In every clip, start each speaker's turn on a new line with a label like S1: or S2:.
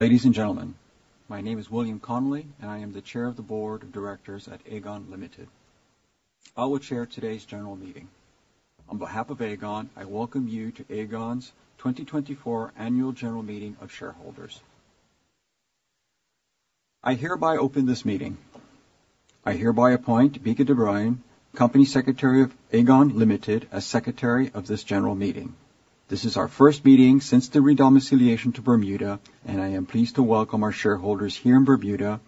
S1: Ladies and gentlemen, my name is William Connelly, and I am the Chair of the Board of Directors at Aegon Limited. I will chair today's general meeting. On behalf of Aegon, I welcome you to Aegon's 2024 Annual General Meeting of Shareholders. I hereby open this meeting. I hereby appoint Bieke de Bruijn, Company Secretary of Aegon Limited, as Secretary of this general meeting. This is our first meeting since the redomiciliation to Bermuda, and I am pleased to welcome our shareholders here in Bermuda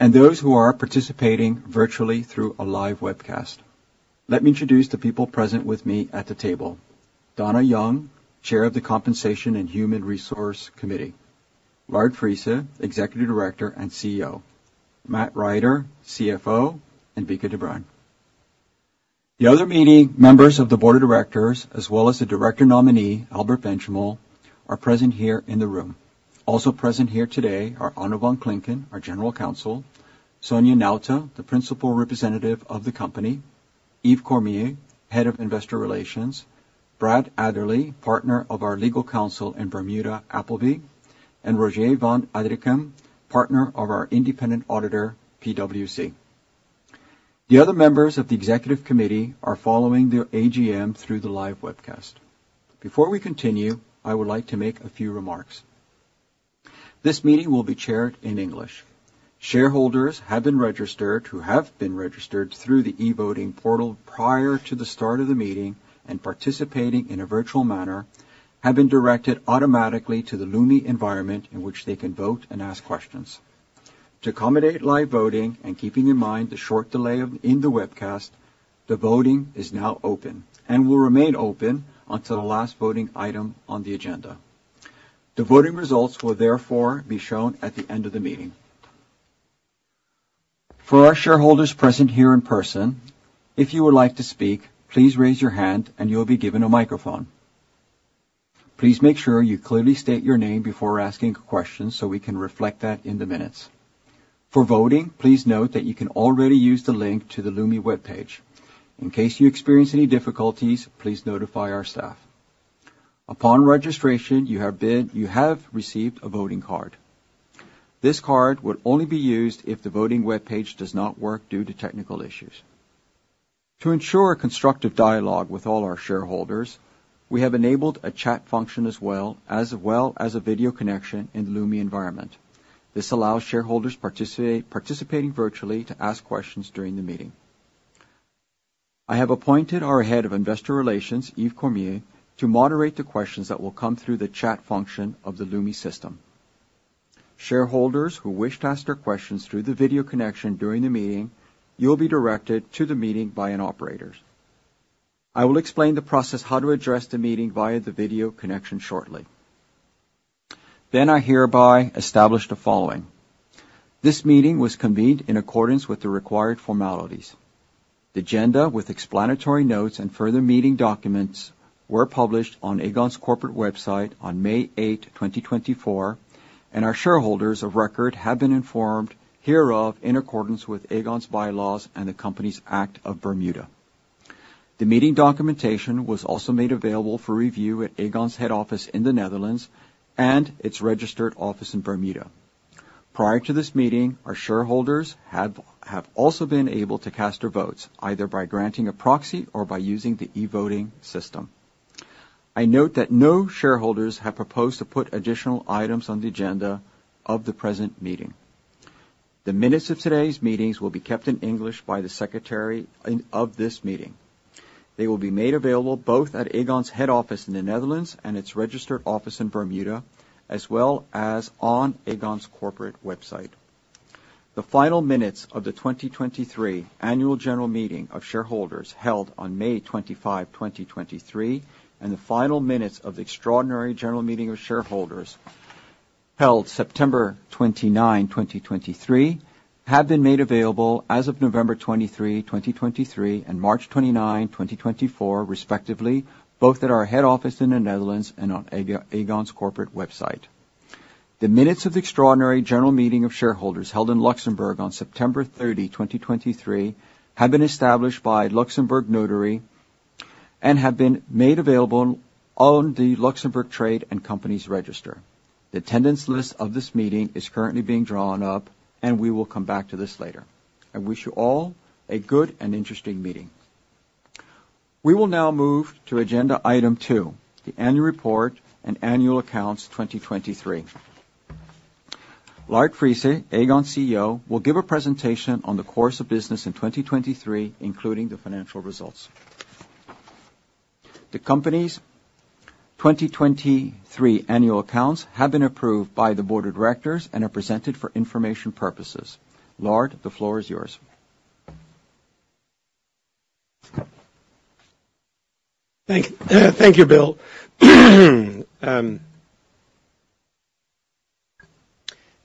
S1: and those who are participating virtually through a live webcast. Let me introduce the people present with me at the table. Dona Young, Chair of the Compensation and Human Resource Committee, Lard Friese, Executive Director and CEO, Matt Rider, CFO, and Bieke de Bruijn. The other meeting members of the Board of Directors, as well as the director nominee, Albert Benchimol, are present here in the room. Also present here today are Onno van Klinken, our General Counsel, Sonja Nauta, the Principal Representative of the company, Yves Cormier, Head of Investor Relations, Brad Adderley, partner of our legal counsel in Bermuda, Appleby, and Rogier van Adrichem, partner of our independent auditor, PwC. The other members of the executive committee are following the AGM through the live webcast. Before we continue, I would like to make a few remarks. This meeting will be chaired in English. Shareholders have been registered, who have been registered through the e-voting portal prior to the start of the meeting, and participating in a virtual manner, have been directed automatically to the Lumi environment, in which they can vote and ask questions. To accommodate live voting and keeping in mind the short delay in the webcast, the voting is now open and will remain open until the last voting item on the agenda. The voting results will therefore be shown at the end of the meeting. For our shareholders present here in person, if you would like to speak, please raise your hand, and you'll be given a microphone. Please make sure you clearly state your name before asking a question, so we can reflect that in the minutes. For voting, please note that you can already use the link to the Lumi webpage. In case you experience any difficulties, please notify our staff. Upon registration, you have received a voting card. This card would only be used if the voting webpage does not work due to technical issues. To ensure constructive dialogue with all our shareholders, we have enabled a chat function as well, as well as a video connection in the Lumi environment. This allows shareholders participating virtually to ask questions during the meeting. I have appointed our Head of Investor Relations, Yves Cormier, to moderate the questions that will come through the chat function of the Lumi system. Shareholders who wish to ask their questions through the video connection during the meeting, you'll be directed to the meeting by an operator. I will explain the process, how to address the meeting via the video connection shortly. Then, I hereby establish the following. This meeting was convened in accordance with the required formalities. The agenda, with explanatory notes and further meeting documents, were published on Aegon's corporate website on May 8th, 2024, and our shareholders of record have been informed hereof in accordance with Aegon's bylaws and the Companies Act of Bermuda. The meeting documentation was also made available for review at Aegon's head office in the Netherlands and its registered office in Bermuda. Prior to this meeting, our shareholders have also been able to cast their votes, either by granting a proxy or by using the e-voting system. I note that no shareholders have proposed to put additional items on the agenda of the present meeting. The minutes of today's meetings will be kept in English by the secretary of this meeting. They will be made available both at Aegon's head office in the Netherlands and its registered office in Bermuda, as well as on Aegon's corporate website. The final minutes of the 2023 Annual General Meeting of Shareholders, held on May 25, 2023, and the final minutes of the Extraordinary General Meeting of Shareholders, held September 29, 2023, have been made available as of November 23, 2023, and March 29, 2024, respectively, both at our head office in the Netherlands and on Aegon's corporate website. The minutes of the Extraordinary General Meeting of Shareholders, held in Luxembourg on September 30, 2023, have been established by Luxembourg Notary and have been made available on the Luxembourg Trade and Companies Register. The attendance list of this meeting is currently being drawn up, and we will come back to this later. I wish you all a good and interesting meeting. We will now move to agenda item 2, the Annual Report and Annual Accounts 2023. Lard Friese, Aegon CEO, will give a presentation on the course of business in 2023, including the financial results. The company's 2023 annual accounts have been approved by the Board of Directors and are presented for information purposes. Lard, the floor is yours.
S2: Thank you, Bill.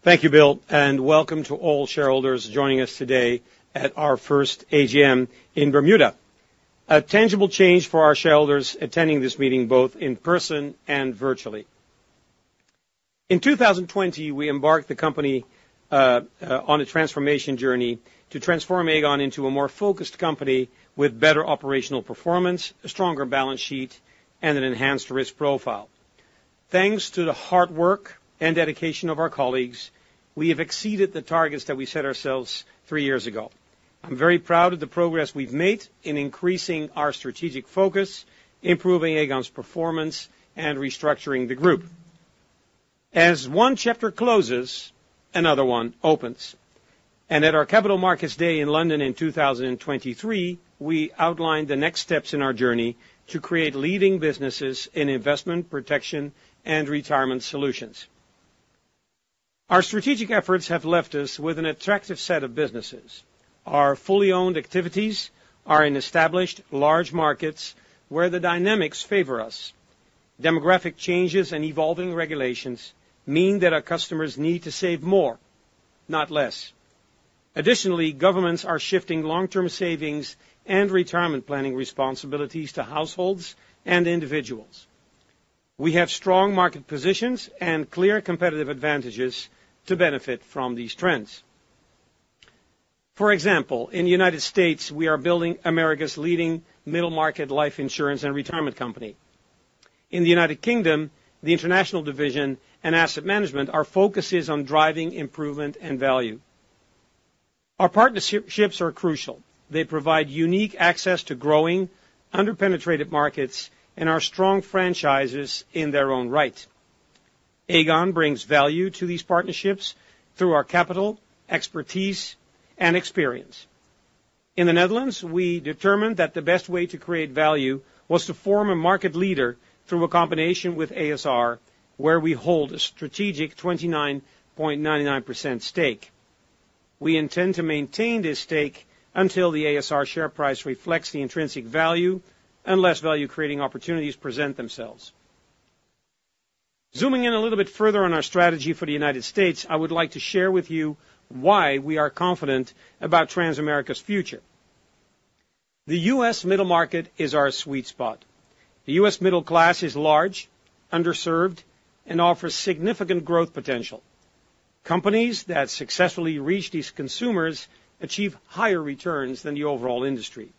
S2: Thank you, Bill, and welcome to all shareholders joining us today at our first AGM in Bermuda, a tangible change for our shareholders attending this meeting, both in person and virtually. In 2020, we embarked the company on a transformation journey to transform Aegon into a more focused company with better operational performance, a stronger balance sheet, and an enhanced risk profile. Thanks to the hard work and dedication of our colleagues, we have exceeded the targets that we set ourselves three years ago. I'm very proud of the progress we've made in increasing our strategic focus, improving Aegon's performance, and restructuring the group. As one chapter closes, another one opens, and at our Capital Markets Day in London in 2023, we outlined the next steps in our journey to create leading businesses in investment protection and retirement solutions. Our strategic efforts have left us with an attractive set of businesses. Our fully owned activities are in established large markets where the dynamics favor us. Demographic changes and evolving regulations mean that our customers need to save more, not less. Additionally, governments are shifting long-term savings and retirement planning responsibilities to households and individuals. We have strong market positions and clear competitive advantages to benefit from these trends. For example, in the United States, we are building America's leading middle market life insurance and retirement company. In the United Kingdom, the international division and asset management, our focus is on driving improvement and value. Our partnerships are crucial. They provide unique access to growing, under-penetrated markets and are strong franchises in their own right. Aegon brings value to these partnerships through our capital, expertise, and experience. In the Netherlands, we determined that the best way to create value was to form a market leader through a combination with a.s.r., where we hold a strategic 29.99% stake. We intend to maintain this stake until the a.s.r. share price reflects the intrinsic value, unless value-creating opportunities present themselves. Zooming in a little bit further on our strategy for the United States, I would like to share with you why we are confident about Transamerica's future. The U.S. middle market is our sweet spot. The U.S. middle class is large, underserved, and offers significant growth potential. Companies that successfully reach these consumers achieve higher returns than the overall industry.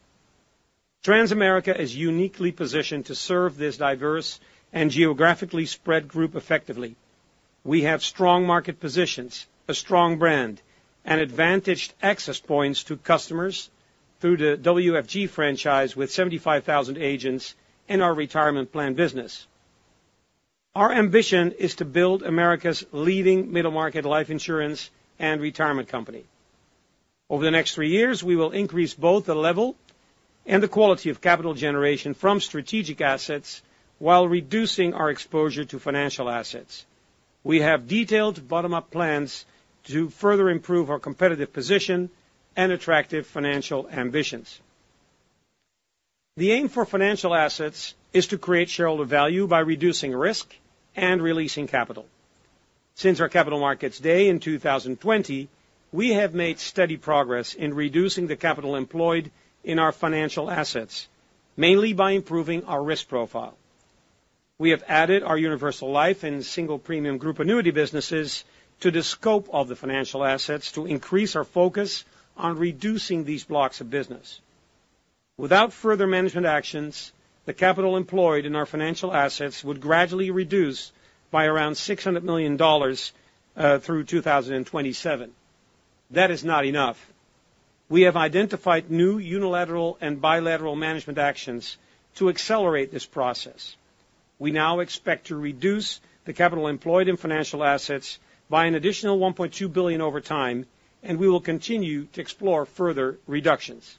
S2: Transamerica is uniquely positioned to serve this diverse and geographically spread group effectively. We have strong market positions, a strong brand, and advantaged access points to customers through the WFG franchise with 75,000 agents in our retirement plan business. Our ambition is to build America's leading middle market life insurance and retirement company. Over the next three years, we will increase both the level and the quality of capital generation from strategic assets while reducing our exposure to financial assets. We have detailed bottom-up plans to further improve our competitive position and attractive financial ambitions. The aim for financial assets is to create shareholder value by reducing risk and releasing capital. Since our Capital Markets Day in 2020, we have made steady progress in reducing the capital employed in our financial assets, mainly by improving our risk profile. We have added our universal life and single premium group annuity businesses to the scope of the financial assets to increase our focus on reducing these blocks of business. Without further management actions, the capital employed in our financial assets would gradually reduce by around $600 million through 2027. That is not enough. We have identified new unilateral and bilateral management actions to accelerate this process. We now expect to reduce the capital employed in financial assets by an additional $1.2 billion over time, and we will continue to explore further reductions.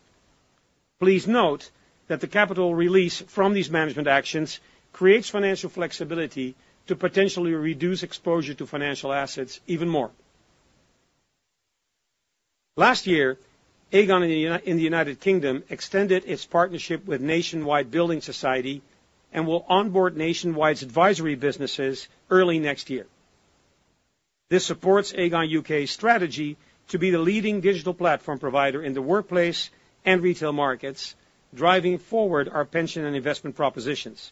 S2: Please note that the capital release from these management actions creates financial flexibility to potentially reduce exposure to financial assets even more. Last year, Aegon in the United Kingdom extended its partnership with Nationwide Building Society and will onboard Nationwide's advisory businesses early next year. This supports Aegon U.K.'s strategy to be the leading digital platform provider in the workplace and retail markets, driving forward our pension and investment propositions.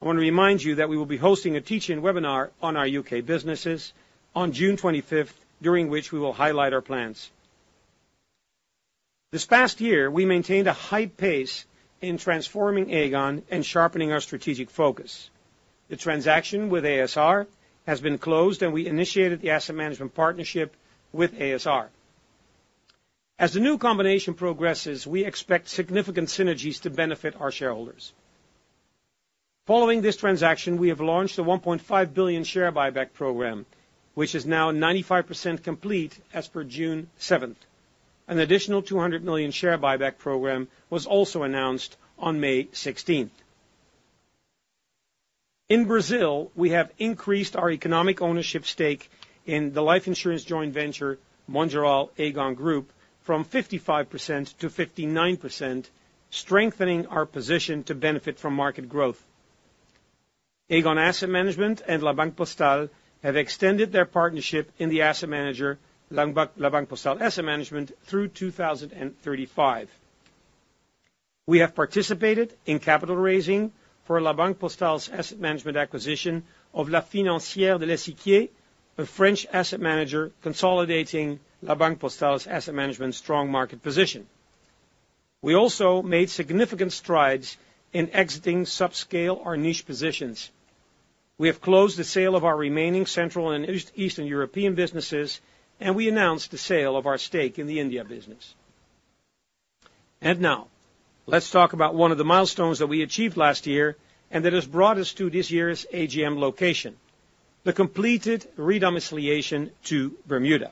S2: I want to remind you that we will be hosting a teach-in webinar on our U.K. businesses on June 25th, during which we will highlight our plans. This past year, we maintained a high pace in transforming Aegon and sharpening our strategic focus. The transaction with a.s.r. has been closed, and we initiated the asset management partnership with a.s.r. As the new combination progresses, we expect significant synergies to benefit our shareholders. Following this transaction, we have launched a 1.5 billion share buyback program, which is now 95% complete as per June 7th. An additional 200 million share buyback program was also announced on May 16th. In Brazil, we have increased our economic ownership stake in the life insurance joint venture, Mongeral Aegon Group, from 55% to 59%, strengthening our position to benefit from market growth. Aegon Asset Management and La Banque Postale have extended their partnership in the asset manager, La Banque Postale Asset Management, through 2035. We have participated in capital raising for La Banque Postale's asset management acquisition of La Financière de l'Echiquier, a French asset manager, consolidating La Banque Postale's asset management strong market position. We also made significant strides in exiting subscale or niche positions. We have closed the sale of our remaining Central and Eastern European businesses, and we announced the sale of our stake in the India business. Now, let's talk about one of the milestones that we achieved last year and that has brought us to this year's AGM location, the completed re-domiciliation to Bermuda.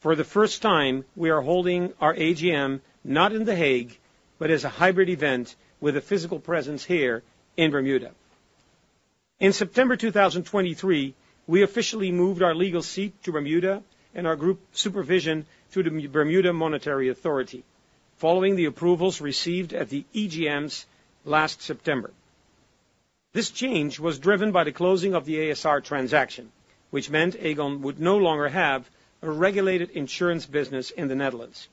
S2: For the first time, we are holding our AGM not in The Hague, but as a hybrid event with a physical presence here in Bermuda. In September 2023, we officially moved our legal seat to Bermuda and our group supervision to the Bermuda Monetary Authority, following the approvals received at the EGMs last September. This change was driven by the closing of the a.s.r. transaction, which meant Aegon would no longer have a regulated insurance business in the Netherlands.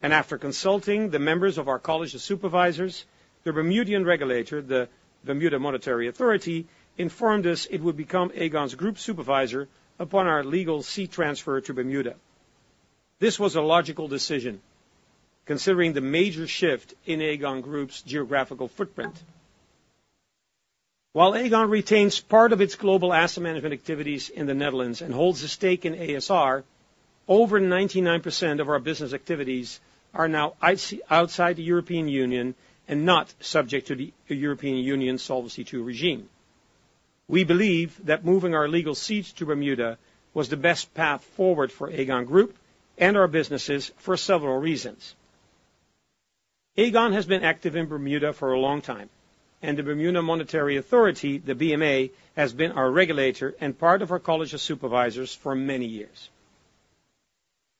S2: After consulting the members of our College of Supervisors, the Bermudian regulator, the Bermuda Monetary Authority, informed us it would become Aegon's group supervisor upon our legal seat transfer to Bermuda. This was a logical decision, considering the major shift in Aegon Group's geographical footprint. While Aegon retains part of its global asset management activities in the Netherlands and holds a stake in a.s.r., over 99% of our business activities are now outside the European Union and not subject to the European Union Solvency II regime. We believe that moving our legal seats to Bermuda was the best path forward for Aegon Group and our businesses for several reasons. Aegon has been active in Bermuda for a long time, and the Bermuda Monetary Authority, the BMA, has been our regulator and part of our College of Supervisors for many years.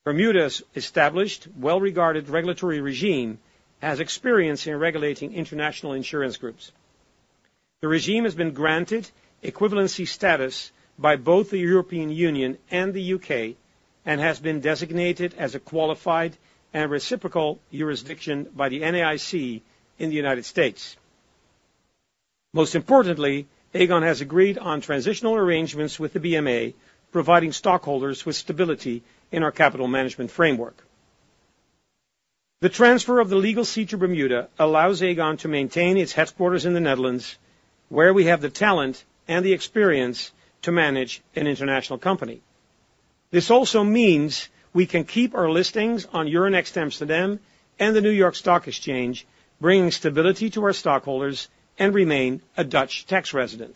S2: Bermuda's established, well-regarded regulatory regime has experience in regulating international insurance groups. The regime has been granted equivalency status by both the European Union and the U.K., and has been designated as a qualified and reciprocal jurisdiction by the NAIC in the United States. Most importantly, Aegon has agreed on transitional arrangements with the BMA, providing stockholders with stability in our capital management framework. The transfer of the legal seat to Bermuda allows Aegon to maintain its headquarters in the Netherlands, where we have the talent and the experience to manage an international company. This also means we can keep our listings on Euronext Amsterdam and the New York Stock Exchange, bringing stability to our stockholders and remain a Dutch tax resident.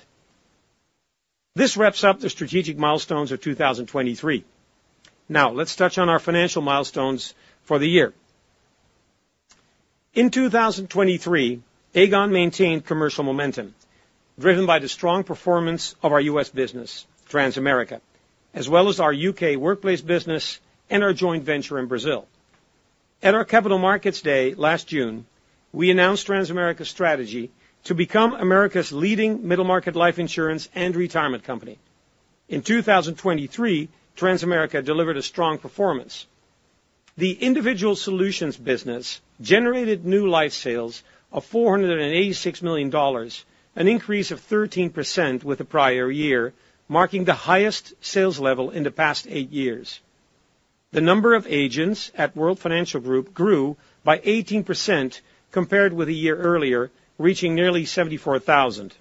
S2: This wraps up the strategic milestones of 2023. Now, let's touch on our financial milestones for the year. In 2023, Aegon maintained commercial momentum, driven by the strong performance of our U.S. business, Transamerica, as well as our U.K. workplace business and our joint venture in Brazil. At our Capital Markets Day last June, we announced Transamerica's strategy to become America's leading middle-market life insurance and retirement company. In 2023, Transamerica delivered a strong performance. The Individual Solutions business generated new life sales of $486 million, an increase of 13% with the prior year, marking the highest sales level in the past 8 years. The number of agents at World Financial Group grew by 18% compared with a year earlier, reaching nearly 74,000.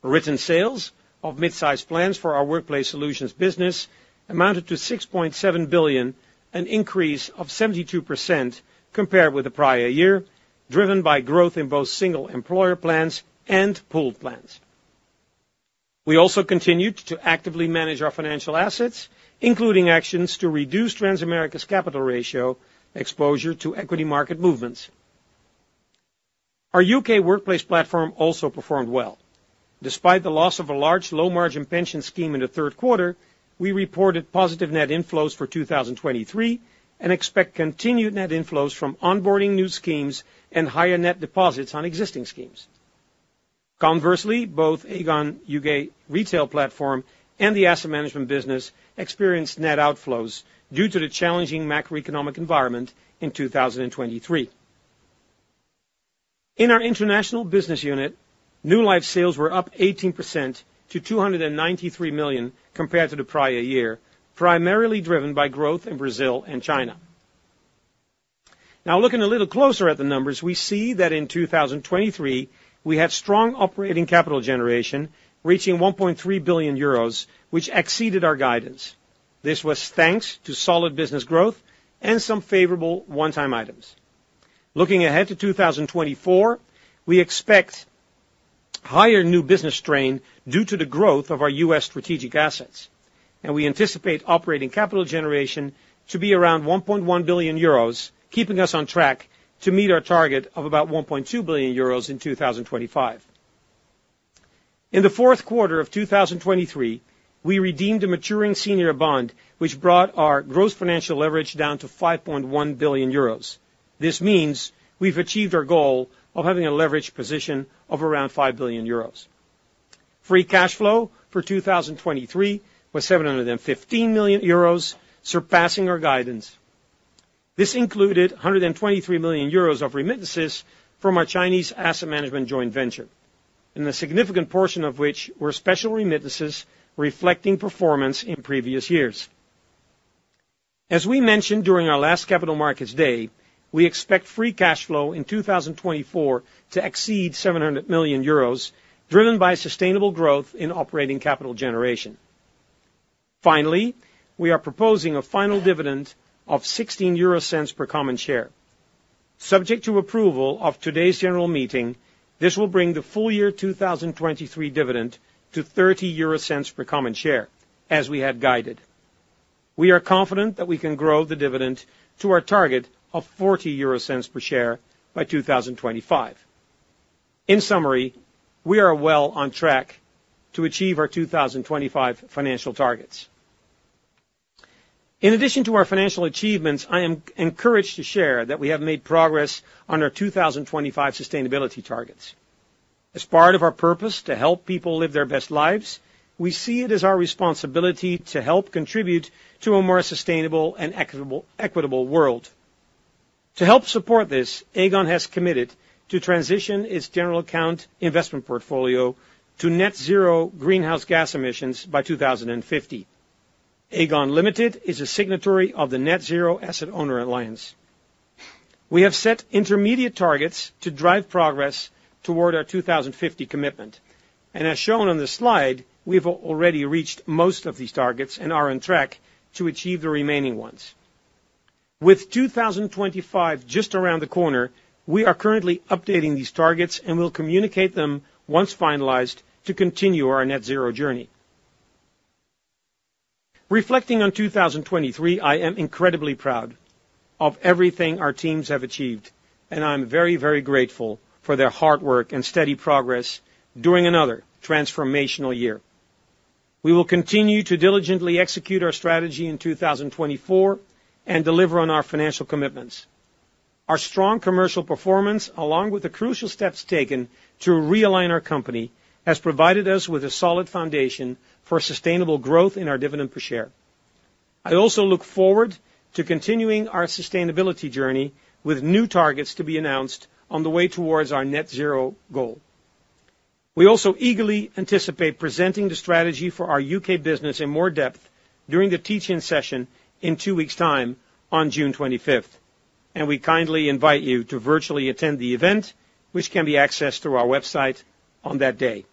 S2: Written sales of mid-size plans for our Workplace Solutions business amounted to 6.7 billion, an increase of 72% compared with the prior year, driven by growth in both single employer plans and pooled plans. We also continued to actively manage our financial assets, including actions to reduce Transamerica's capital ratio, exposure to equity market movements. Our U.K. workplace platform also performed well. Despite the loss of a large, low-margin pension scheme in the third quarter, we reported positive net inflows for 2023, and expect continued net inflows from onboarding new schemes and higher net deposits on existing schemes. Conversely, both Aegon U.K. retail platform and the asset management business experienced net outflows due to the challenging macroeconomic environment in 2023. In our international business unit, new life sales were up 18% to 293 million compared to the prior year, primarily driven by growth in Brazil and China. Now, looking a little closer at the numbers, we see that in 2023, we had strong operating capital generation, reaching 1.3 billion euros, which exceeded our guidance. This was thanks to solid business growth and some favorable one-time items. Looking ahead to 2024, we expect higher new business strain due to the growth of our U.S. strategic assets, and we anticipate operating capital generation to be around 1.1 billion euros, keeping us on track to meet our target of about 1.2 billion euros in 2025. In the fourth quarter of 2023, we redeemed a maturing senior bond, which brought our gross financial leverage down to 5.1 billion euros. This means we've achieved our goal of having a leverage position of around 5 billion euros. Free cash flow for 2023 was 715 million euros, surpassing our guidance. This included 123 million euros of remittances from our Chinese asset management joint venture and a significant portion of which were special remittances reflecting performance in previous years. As we mentioned during our last Capital Markets Day, we expect free cash flow in 2024 to exceed 700 million euros, driven by sustainable growth in operating capital generation. Finally, we are proposing a final dividend of 0.16 per common share. Subject to approval of today's general meeting, this will bring the full year 2023 dividend to 0.30 per common share, as we had guided. We are confident that we can grow the dividend to our target of 0.40 per share by 2025. In summary, we are well on track to achieve our 2025 financial targets. In addition to our financial achievements, I am encouraged to share that we have made progress on our 2025 sustainability targets. As part of our purpose to help people live their best lives, we see it as our responsibility to help contribute to a more sustainable and equitable, equitable world. To help support this, Aegon has committed to transition its general account investment portfolio to net zero greenhouse gas emissions by 2050. Aegon Limited is a signatory of the Net Zero Asset Owner Alliance. We have set intermediate targets to drive progress toward our 2050 commitment, and as shown on this slide, we've already reached most of these targets and are on track to achieve the remaining ones. With 2025 just around the corner, we are currently updating these targets and will communicate them once finalized to continue our net zero journey. Reflecting on 2023, I am incredibly proud of everything our teams have achieved, and I'm very, very grateful for their hard work and steady progress during another transformational year. We will continue to diligently execute our strategy in 2024, and deliver on our financial commitments. Our strong commercial performance, along with the crucial steps taken to realign our company, has provided us with a solid foundation for sustainable growth in our dividend per share. I also look forward to continuing our sustainability journey with new targets to be announced on the way towards our net zero goal. We also eagerly anticipate presenting the strategy for our U.K. business in more depth during the teach-in session in two weeks' time, on June 25th, and we kindly invite you to virtually attend the event, which can be accessed through our website on that day.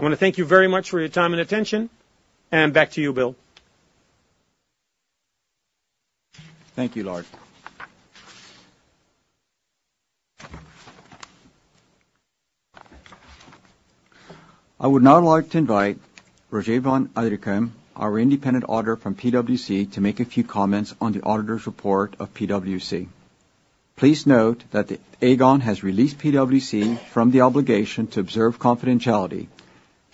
S2: I wanna thank you very much for your time and attention, and back to you, Bill.
S1: Thank you, Lard. I would now like to invite Rogier van Adrichem, our independent auditor from PwC, to make a few comments on the auditor's report of PwC. Please note that Aegon has released PwC from the obligation to observe confidentiality,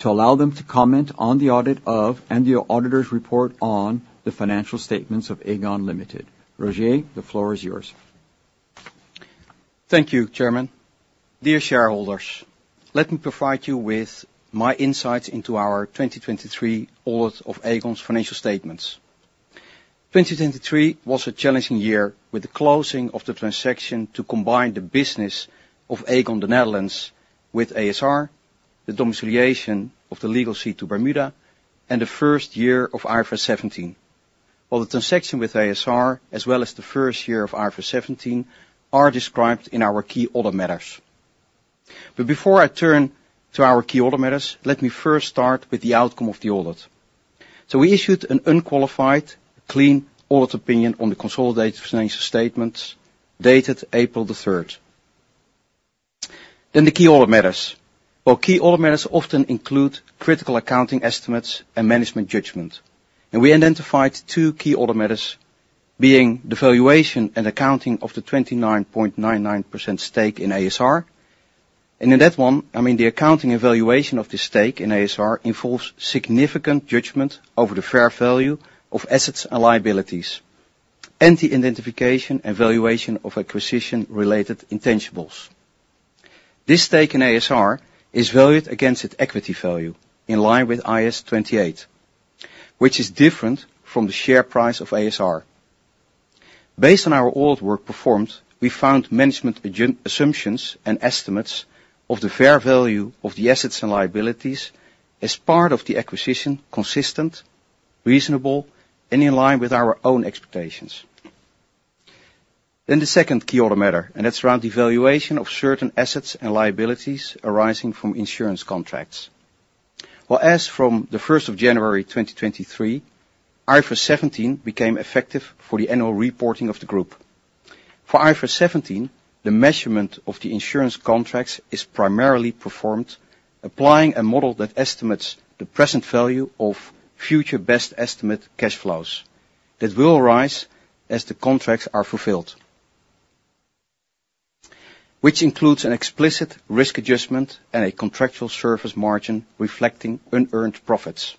S1: to allow them to comment on the audit of, and the auditor's report on, the financial statements of Aegon Limited. Rogier, the floor is yours.
S3: Thank you, Chairman. Dear shareholders, let me provide you with my insights into our 2023 audit of Aegon's financial statements. 2023 was a challenging year, with the closing of the transaction to combine the business of Aegon, the Netherlands, with a.s.r., the domiciliation of the legal seat to Bermuda, and the first year of IFRS 17. While the transaction with a.s.r., as well as the first year of IFRS 17, are described in our key audit matters. Before I turn to our key audit matters, let me first start with the outcome of the audit. We issued an unqualified, clean audit opinion on the consolidated financial statements, dated April 3rd. Then the key audit matters. Well, key audit matters often include critical accounting estimates and management judgment, and we identified two key audit matters, being the valuation and accounting of the 29.99% stake in a.s.r. In that one, I mean, the accounting evaluation of the stake in a.s.r involves significant judgment over the fair value of assets and liabilities and the identification and valuation of acquisition-related intangibles. This stake in a.s.r. is valued against its equity value, in line with IAS 28, which is different from the share price of a.s.r. Based on our audit work performed, we found management's assumptions and estimates of the fair value of the assets and liabilities as part of the acquisition consistent, reasonable, and in line with our own expectations. The second key audit matter, and that's around the valuation of certain assets and liabilities arising from insurance contracts. Well, as from January 1st, 2023, IFRS 17 became effective for the annual reporting of the group. For IFRS 17, the measurement of the insurance contracts is primarily performed, applying a model that estimates the present value of future best estimate cash flows that will arise as the contracts are fulfilled, which includes an explicit risk adjustment and a contractual service margin reflecting unearned profits.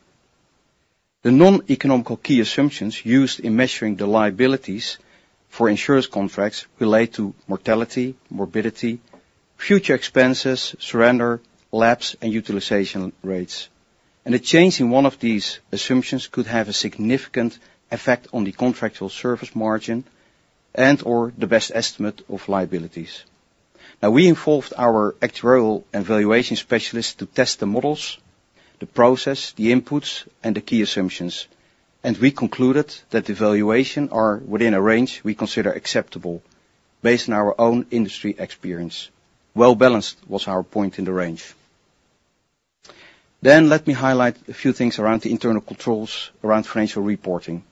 S3: The non-economical key assumptions used in measuring the liabilities for insurance contracts relate to mortality, morbidity, future expenses, surrender, lapse, and utilization rates, and a change in one of these assumptions could have a significant effect on the contractual service margin and/or the best estimate of liabilities. Now, we involved our actuarial and valuation specialists to test the models, the process, the inputs, and the key assumptions, and we concluded that the valuation are within a range we consider acceptable based on our own industry experience. Well-balanced was our point in the range. Then let me highlight a few things around the internal controls around financial reporting.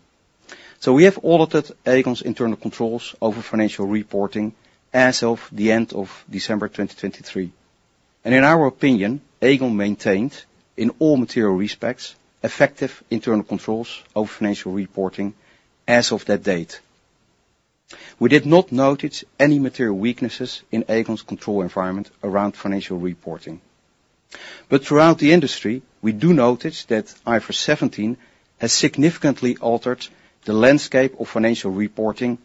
S3: So we have audited Aegon's internal controls over financial reporting as of the end of December 2023, and in our opinion, Aegon maintained, in all material respects, effective internal controls over financial reporting as of that date. We did not notice any material weaknesses in Aegon's control environment around financial reporting. But throughout the industry, we do notice that IFRS 17 has significantly altered the landscape of financial reporting,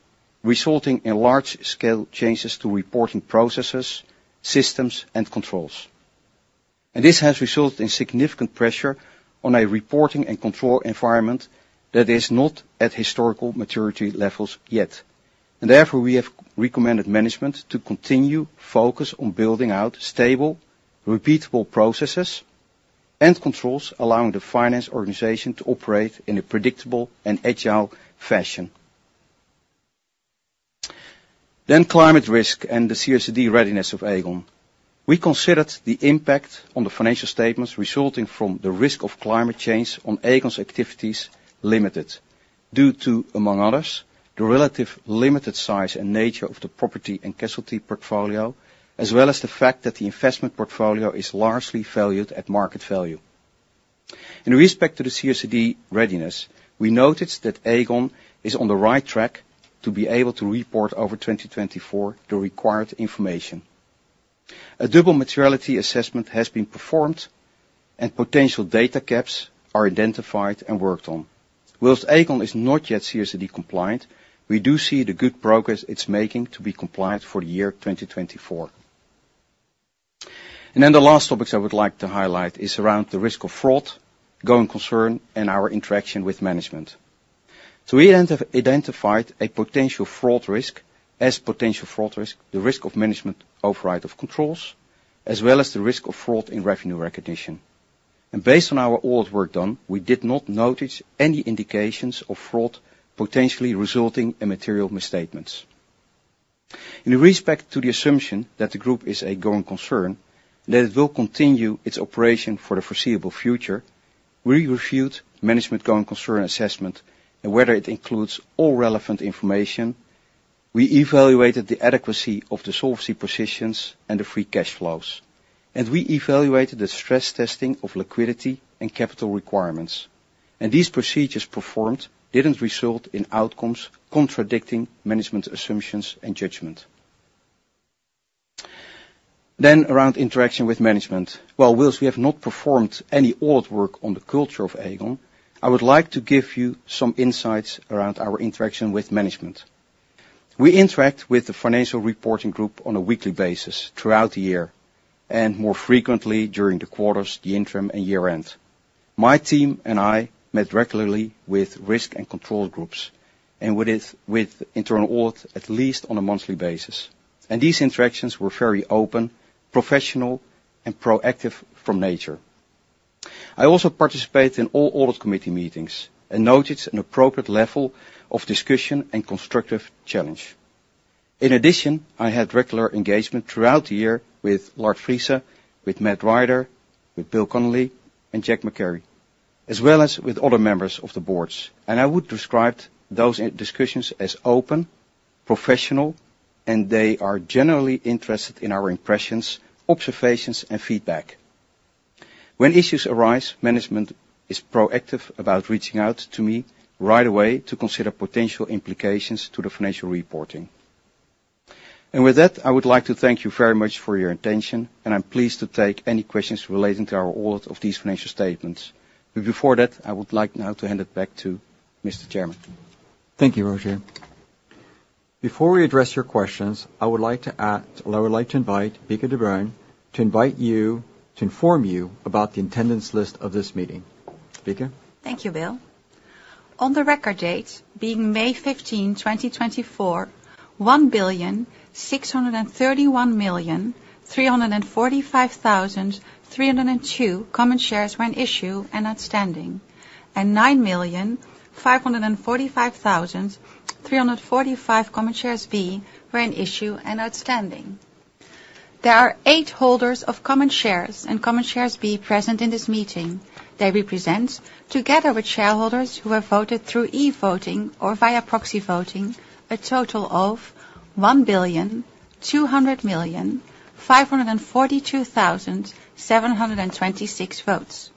S3: resulting in large-scale changes to reporting processes, systems, and controls. This has resulted in significant pressure on a reporting and control environment that is not at historical maturity levels yet. Therefore, we have recommended management to continue focus on building out stable, repeatable processes and controls, allowing the finance organization to operate in a predictable and agile fashion. Climate risk and the CSRD readiness of Aegon. We considered the impact on the financial statements resulting from the risk of climate change on Aegon's activities limited due to, among others, the relative limited size and nature of the property and casualty portfolio, as well as the fact that the investment portfolio is largely valued at market value. In respect to the CSRD readiness, we noticed that Aegon is on the right track to be able to report over 2024 the required information. A double materiality assessment has been performed, and potential data gaps are identified and worked on. While Aegon is not yet CSRD compliant, we do see the good progress it's making to be compliant for the year 2024. Then the last topics I would like to highlight are around the risk of fraud, going concern, and our interaction with management. So we identified a potential fraud risk as potential fraud risk, the risk of management override of controls, as well as the risk of fraud in revenue recognition. Based on our audit work done, we did not notice any indications of fraud potentially resulting in material misstatements. In respect to the assumption that the group is a going concern, that it will continue its operation for the foreseeable future, we reviewed management going concern assessment and whether it includes all relevant information. We evaluated the adequacy of the solvency positions and the free cash flows, and we evaluated the stress testing of liquidity and capital requirements. These procedures performed didn't result in outcomes contradicting management assumptions and judgment. Then around interaction with management. Well, while we have not performed any audit work on the culture of Aegon, I would like to give you some insights around our interaction with management. We interact with the financial reporting group on a weekly basis throughout the year, and more frequently during the quarters, the interim, and year-end. My team and I met regularly with risk and control groups, and with internal audit, at least on a monthly basis. These interactions were very open, professional, and proactive in nature. I also participated in all Audit Committee meetings and noticed an appropriate level of discussion and constructive challenge. In addition, I had regular engagement throughout the year with Lard Friese, with Matt Rider, with Bill Connelly, and Jack McGarry, as well as with other members of the boards. I would describe those discussions as open, professional, and they are generally interested in our impressions, observations, and feedback. When issues arise, management is proactive about reaching out to me right away to consider potential implications to the financial reporting. With that, I would like to thank you very much for your attention, and I'm pleased to take any questions relating to our audit of these financial statements. But before that, I would like now to hand it back to Mr. Chairman.
S1: Thank you, Rogier. Before we address your questions, I would like to add, or I would like to invite Bieke de Bruijn to invite you, to inform you about the attendance list of this meeting. Bieke?
S4: Thank you, Bill. On the record date, being May 15, 2024, 1,631,345,302 common shares were an issue and outstanding, and 9,545,345 common shares B were an issue and outstanding. There are 8 holders of common shares and common shares B present in this meeting. They represent, together with shareholders who have voted through e-voting or via proxy voting, a total of 1,200,542,726 votes.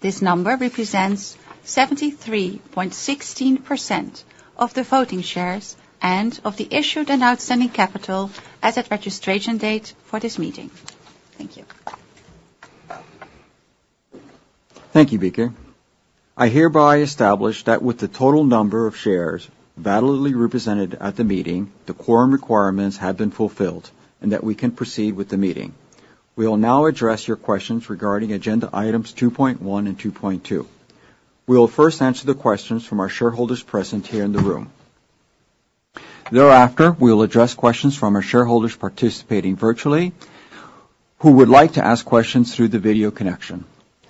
S4: This number represents 73.16% of the voting shares and of the issued and outstanding capital as at registration date for this meeting. Thank you.
S1: Thank you, Bieke. I hereby establish that with the total number of shares validly represented at the meeting, the quorum requirements have been fulfilled and that we can proceed with the meeting. We will now address your questions regarding agenda items 2.1 and 2.2. We will first answer the questions from our shareholders present here in the room. Thereafter, we will address questions from our shareholders participating virtually, who would like to ask questions through the video connection.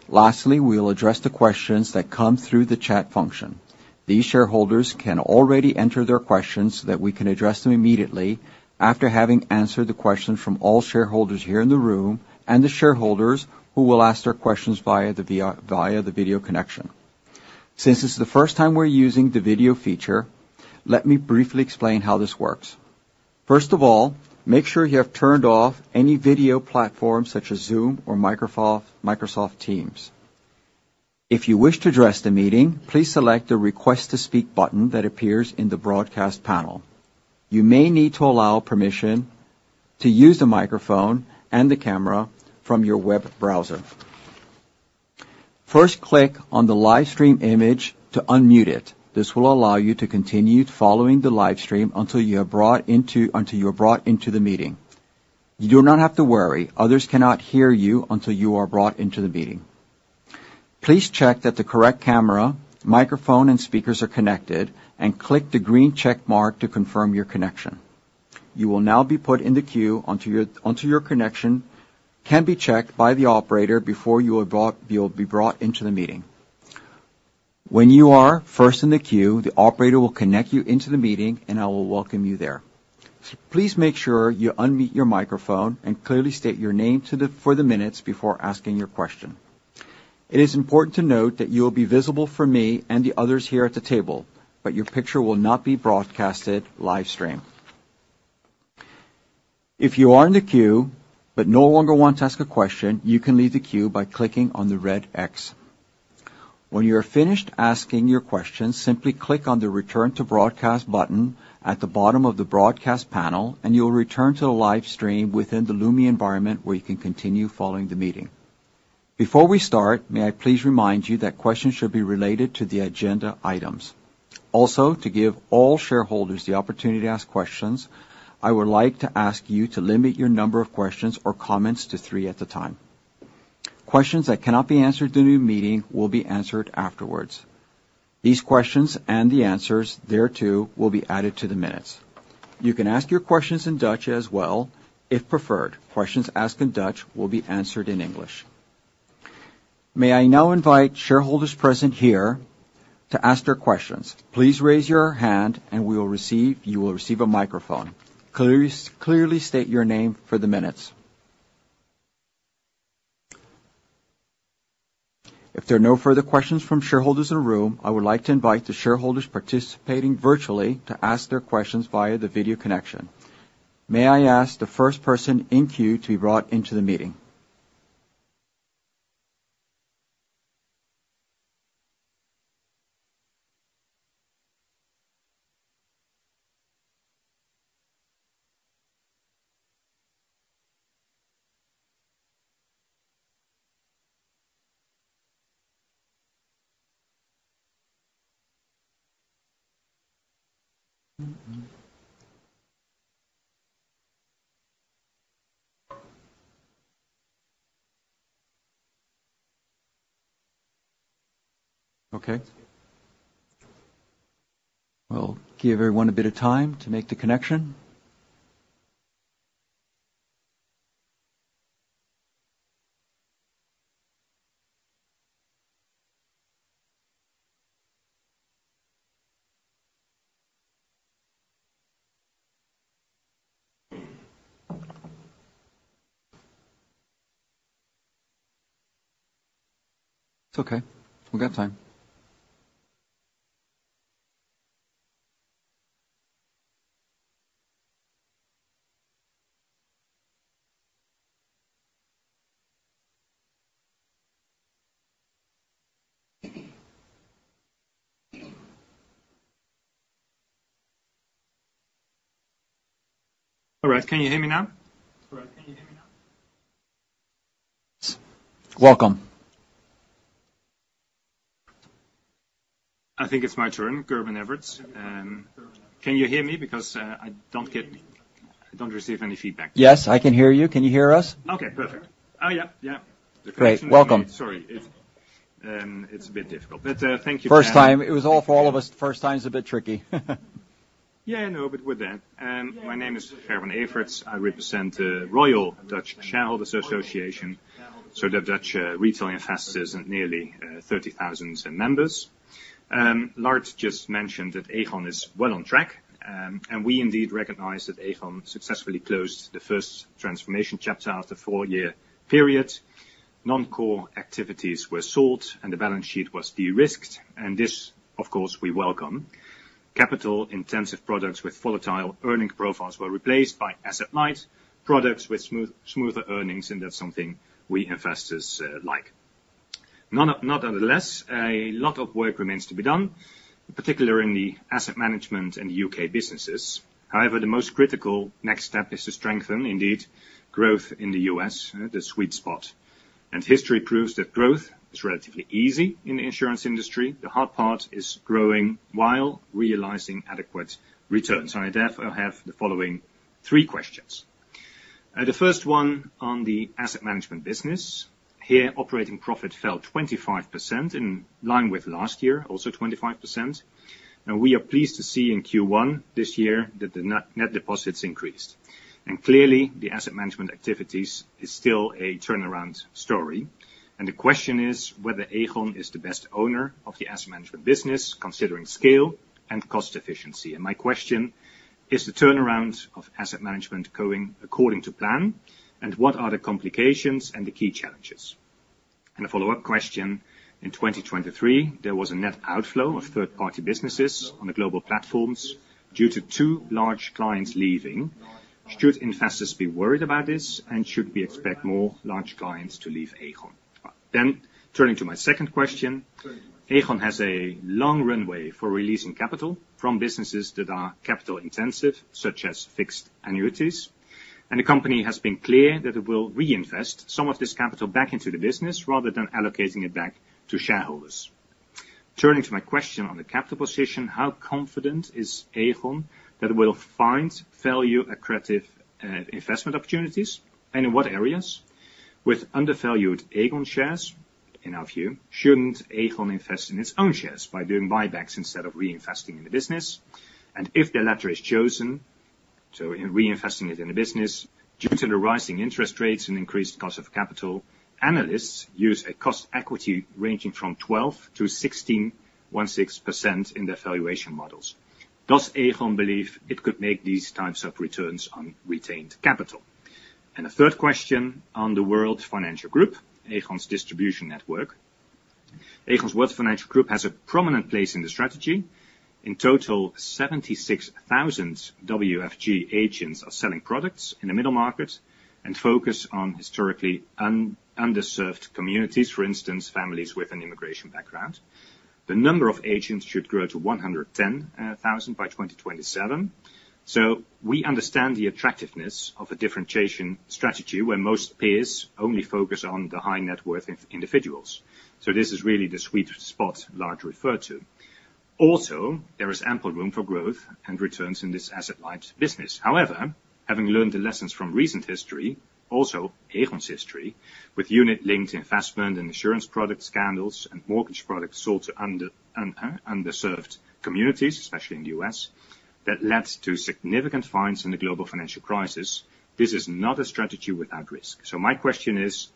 S1: Lastly, we will address the questions that come through the chat function. These shareholders can already enter their questions so that we can address them immediately after having answered the question from all shareholders here in the room, and the shareholders who will ask their questions via the video connection. Since this is the first time we're using the video feature, let me briefly explain how this works. First of all, make sure you have turned off any video platform such as Zoom or Microsoft Teams. If you wish to address the meeting, please select the Request to Speak button that appears in the broadcast panel. You may need to allow permission to use the microphone and the camera from your web browser. First, click on the live stream image to unmute it. This will allow you to continue following the live stream until you are brought into, until you are brought into the meeting. You do not have to worry, others cannot hear you until you are brought into the meeting. Please check that the correct camera, microphone, and speakers are connected, and click the green check mark to confirm your connection. You will now be put in the queue until your connection can be checked by the operator before you are brought into the meeting. You'll be brought into the meeting. When you are first in the queue, the operator will connect you into the meeting, and I will welcome you there. Please make sure you unmute your microphone and clearly state your name for the minutes before asking your question. It is important to note that you will be visible for me and the others here at the table, but your picture will not be broadcasted live stream. If you are in the queue, but no longer want to ask a question, you can leave the queue by clicking on the red X. When you are finished asking your question, simply click on the Return to Broadcast button at the bottom of the Broadcast panel, and you will return to the live stream within the Lumi environment, where you can continue following the meeting. Before we start, may I please remind you that questions should be related to the agenda items. Also, to give all shareholders the opportunity to ask questions, I would like to ask you to limit your number of questions or comments to three at the time. Questions that cannot be answered during the meeting will be answered afterwards. These questions, and the answers thereto, will be added to the minutes. You can ask your questions in Dutch as well, if preferred. Questions asked in Dutch will be answered in English. May I now invite shareholders present here to ask their questions. Please raise your hand and you will receive a microphone. Clearly state your name for the minutes. If there are no further questions from shareholders in the room, I would like to invite the shareholders participating virtually to ask their questions via the video connection. May I ask the first person in queue to be brought into the meeting? Okay. We'll give everyone a bit of time to make the connection. It's okay. We've got time.
S5: All right. Can you hear me now?
S1: Welcome.
S5: I think it's my turn, Gerben Everts. Can you hear me? Because I don't get, I don't receive any feedback.
S1: Yes, I can hear you. Can you hear us?
S5: Okay, perfect. Oh, yeah, yeah.
S1: Great. Welcome.
S5: Sorry. It's a bit difficult, but, thank you.
S1: First time. It was all for all of us. First time is a bit tricky.
S5: Yeah, I know, but we're there. My name is Gerben Everts. I represent Royal Dutch Shareholders Association, so the Dutch retail investors and nearly 30,000 members. Lard just mentioned that Aegon is well on track. And we indeed recognize that Aegon successfully closed the first transformation chapter after a four-year period. Non-core activities were sold and the balance sheet was de-risked, and this, of course, we welcome. Capital intensive products with volatile earning profiles were replaced by asset light products with smooth, smoother earnings, and that's something we investors like. Nonetheless, a lot of work remains to be done, particularly in the asset management and U.K. businesses. However, the most critical next step is to strengthen, indeed, growth in the U.S., the sweet spot. And history proves that growth is relatively easy in the insurance industry. The hard part is growing while realizing adequate returns. I therefore have the following three questions. The first one on the asset management business. Here, operating profit fell 25%, in line with last year, also 25%. Now, we are pleased to see in Q1 this year that the net, net deposits increased. And clearly, the asset management activities is still a turnaround story, and the question is whether Aegon is the best owner of the asset management business, considering scale and cost efficiency. And my question: is the turnaround of asset management going according to plan, and what are the complications and the key challenges? And a follow-up question: in 2023, there was a net outflow of third-party businesses on the global platforms due to two large clients leaving. Should investors be worried about this, and should we expect more large clients to leave Aegon? Then, turning to my second question, Aegon has a long runway for releasing capital from businesses that are capital intensive, such as fixed annuities, and the company has been clear that it will reinvest some of this capital back into the business rather than allocating it back to shareholders. Turning to my question on the capital position, how confident is Aegon that it will find value-attractive, investment opportunities, and in what areas? With undervalued Aegon shares, in our view, shouldn't Aegon invest in its own shares by doing buybacks instead of reinvesting in the business? And if the latter is chosen, so in reinvesting it in the business, due to the rising interest rates and increased cost of capital, analysts use a cost of equity ranging from 12%-16.6% in their valuation models. Does Aegon believe it could make these types of returns on retained capital? A third question on the World Financial Group, Aegon's distribution network. Aegon's World Financial Group has a prominent place in the strategy. In total, 76,000 WFG agents are selling products in the middle market and focus on historically underserved communities, for instance, families with an immigration background. The number of agents should grow to 110,000 by 2027. We understand the attractiveness of a differentiation strategy, where most peers only focus on the high net worth individuals. This is really the sweet spot largely referred to. Also, there is ample room for growth and returns in this asset light business. However, having learned the lessons from recent history, also Aegon's history, with unit-linked investment and insurance product scandals and mortgage products sold to underserved communities, especially in the U.S., that led to significant fines in the global financial crisis, this is not a strategy without risk. So my question is,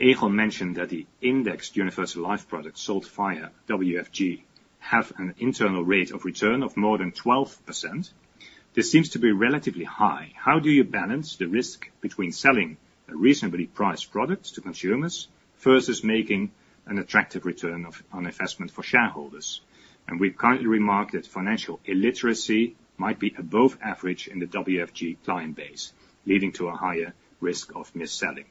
S5: Aegon mentioned that the indexed universal life products sold via WFG have an internal rate of return of more than 12%. This seems to be relatively high. How do you balance the risk between selling a reasonably priced product to consumers versus making an attractive return on investment for shareholders? And we've currently remarked that financial illiteracy might be above average in the WFG client base, leading to a higher risk of mis-selling.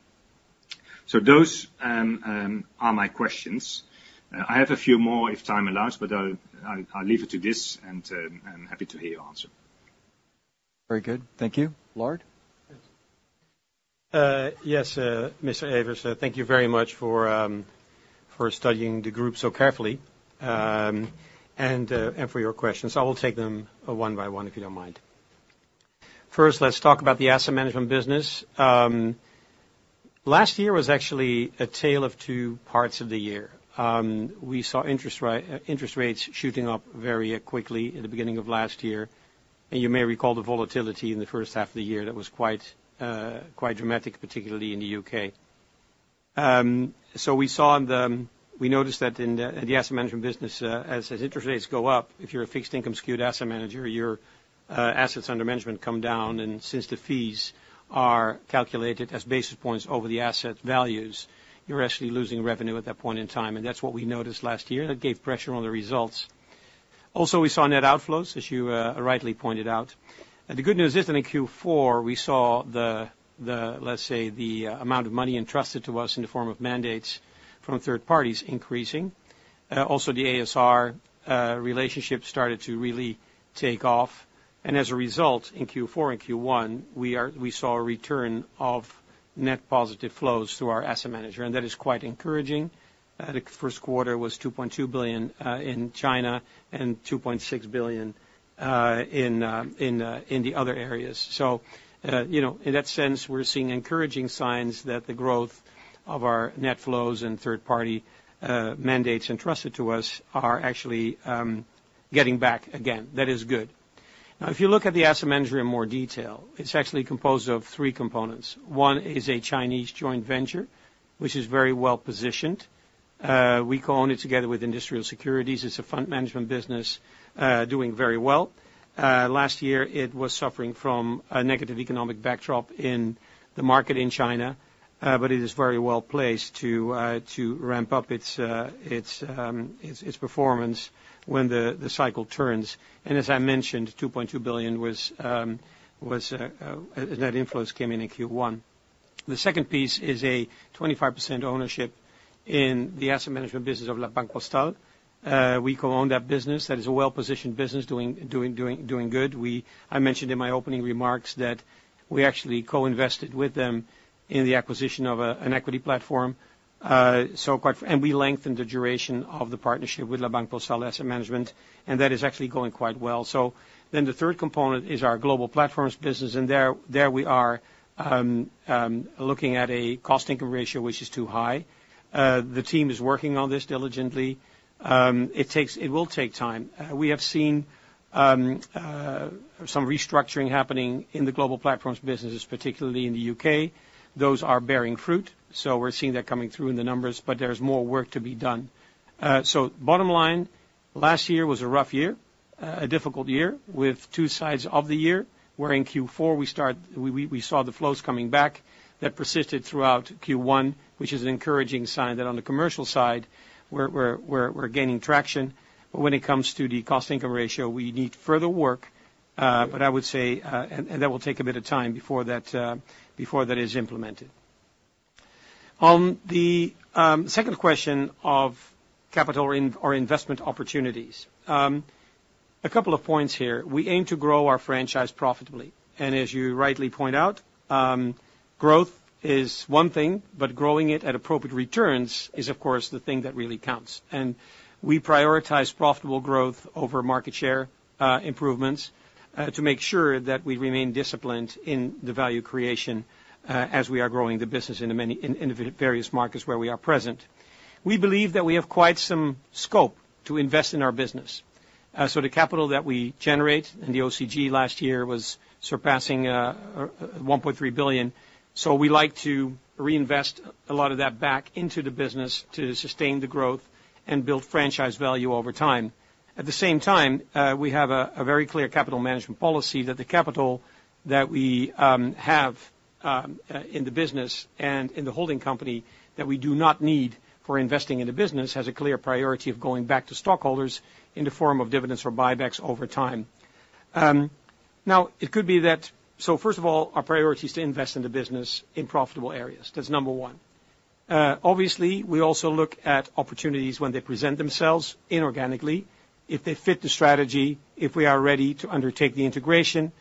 S5: So those are my questions. I have a few more, if time allows, but I'll leave it to this, and I'm happy to hear your answer.
S1: Very good. Thank you. Lard?
S2: Yes, Mr. Everts, thank you very much for studying the group so carefully, and for your questions. I will take them one by one, if you don't mind. First, let's talk about the asset management business. Last year was actually a tale of two parts of the year. We saw interest rates shooting up very quickly in the beginning of last year, and you may recall the volatility in the first half of the year. That was quite dramatic, particularly in the U.K. So we saw in the... We noticed that in the asset management business, as interest rates go up, if you're a fixed income skewed asset manager, your assets under management come down, and since the fees are calculated as basis points over the asset values, you're actually losing revenue at that point in time, and that's what we noticed last year. That gave pressure on the results. Also, we saw net outflows, as you rightly pointed out. The good news is that in Q4, we saw, let's say, the amount of money entrusted to us in the form of mandates from third parties increasing. Also, the a.s.r. relationship started to really take off, and as a result, in Q4 and Q1, we saw a return of net positive flows through our asset manager, and that is quite encouraging. The first quarter was 2.2 billion in China and 2.6 billion in the other areas. So, you know, in that sense, we're seeing encouraging signs that the growth of our net flows and third-party mandates entrusted to us are actually getting back again. That is good. Now, if you look at the asset manager in more detail, it's actually composed of three components. One is a Chinese joint venture, which is very well-positioned. We co-own it together with Industrial Securities. It's a fund management business doing very well. Last year, it was suffering from a negative economic backdrop in the market in China, but it is very well placed to ramp up its performance when the cycle turns. As I mentioned, 2.2 billion was net inflows came in in Q1. The second piece is a 25% ownership in the asset management business of La Banque Postale. We co-own that business. That is a well-positioned business doing good. I mentioned in my opening remarks that we actually co-invested with them in the acquisition of an equity platform. So quite and we lengthened the duration of the partnership with La Banque Postale Asset Management, and that is actually going quite well. So then the third component is our global platforms business, and there we are looking at a cost-income ratio, which is too high. The team is working on this diligently. It takes, it will take time. We have seen some restructuring happening in the global platforms businesses, particularly in the U.K. Those are bearing fruit, so we're seeing that coming through in the numbers, but there's more work to be done. So bottom line, last year was a rough year, a difficult year, with two sides of the year, where in Q4 we saw the flows coming back that persisted throughout Q1, which is an encouraging sign that on the commercial side, we're gaining traction. But when it comes to the cost-income ratio, we need further work, but I would say... That will take a bit of time before that is implemented. On the second question of capital or investment opportunities. A couple of points here. We aim to grow our franchise profitably, and as you rightly point out, growth is one thing, but growing it at appropriate returns is, of course, the thing that really counts. And we prioritize profitable growth over market share improvements to make sure that we remain disciplined in the value creation as we are growing the business in the various markets where we are present. We believe that we have quite some scope to invest in our business. So the capital that we generate, and the OCG last year was surpassing 1.3 billion. So we like to reinvest a lot of that back into the business to sustain the growth and build franchise value over time. At the same time, we have a very clear capital management policy, that the capital that we have in the business and in the holding company, that we do not need for investing in the business, has a clear priority of going back to stockholders in the form of dividends or buybacks over time. Now, it could be that... So first of all, our priority is to invest in the business in profitable areas. That's number one. Obviously, we also look at opportunities when they present themselves inorganically, if they fit the strategy, if we are ready to undertake the integration,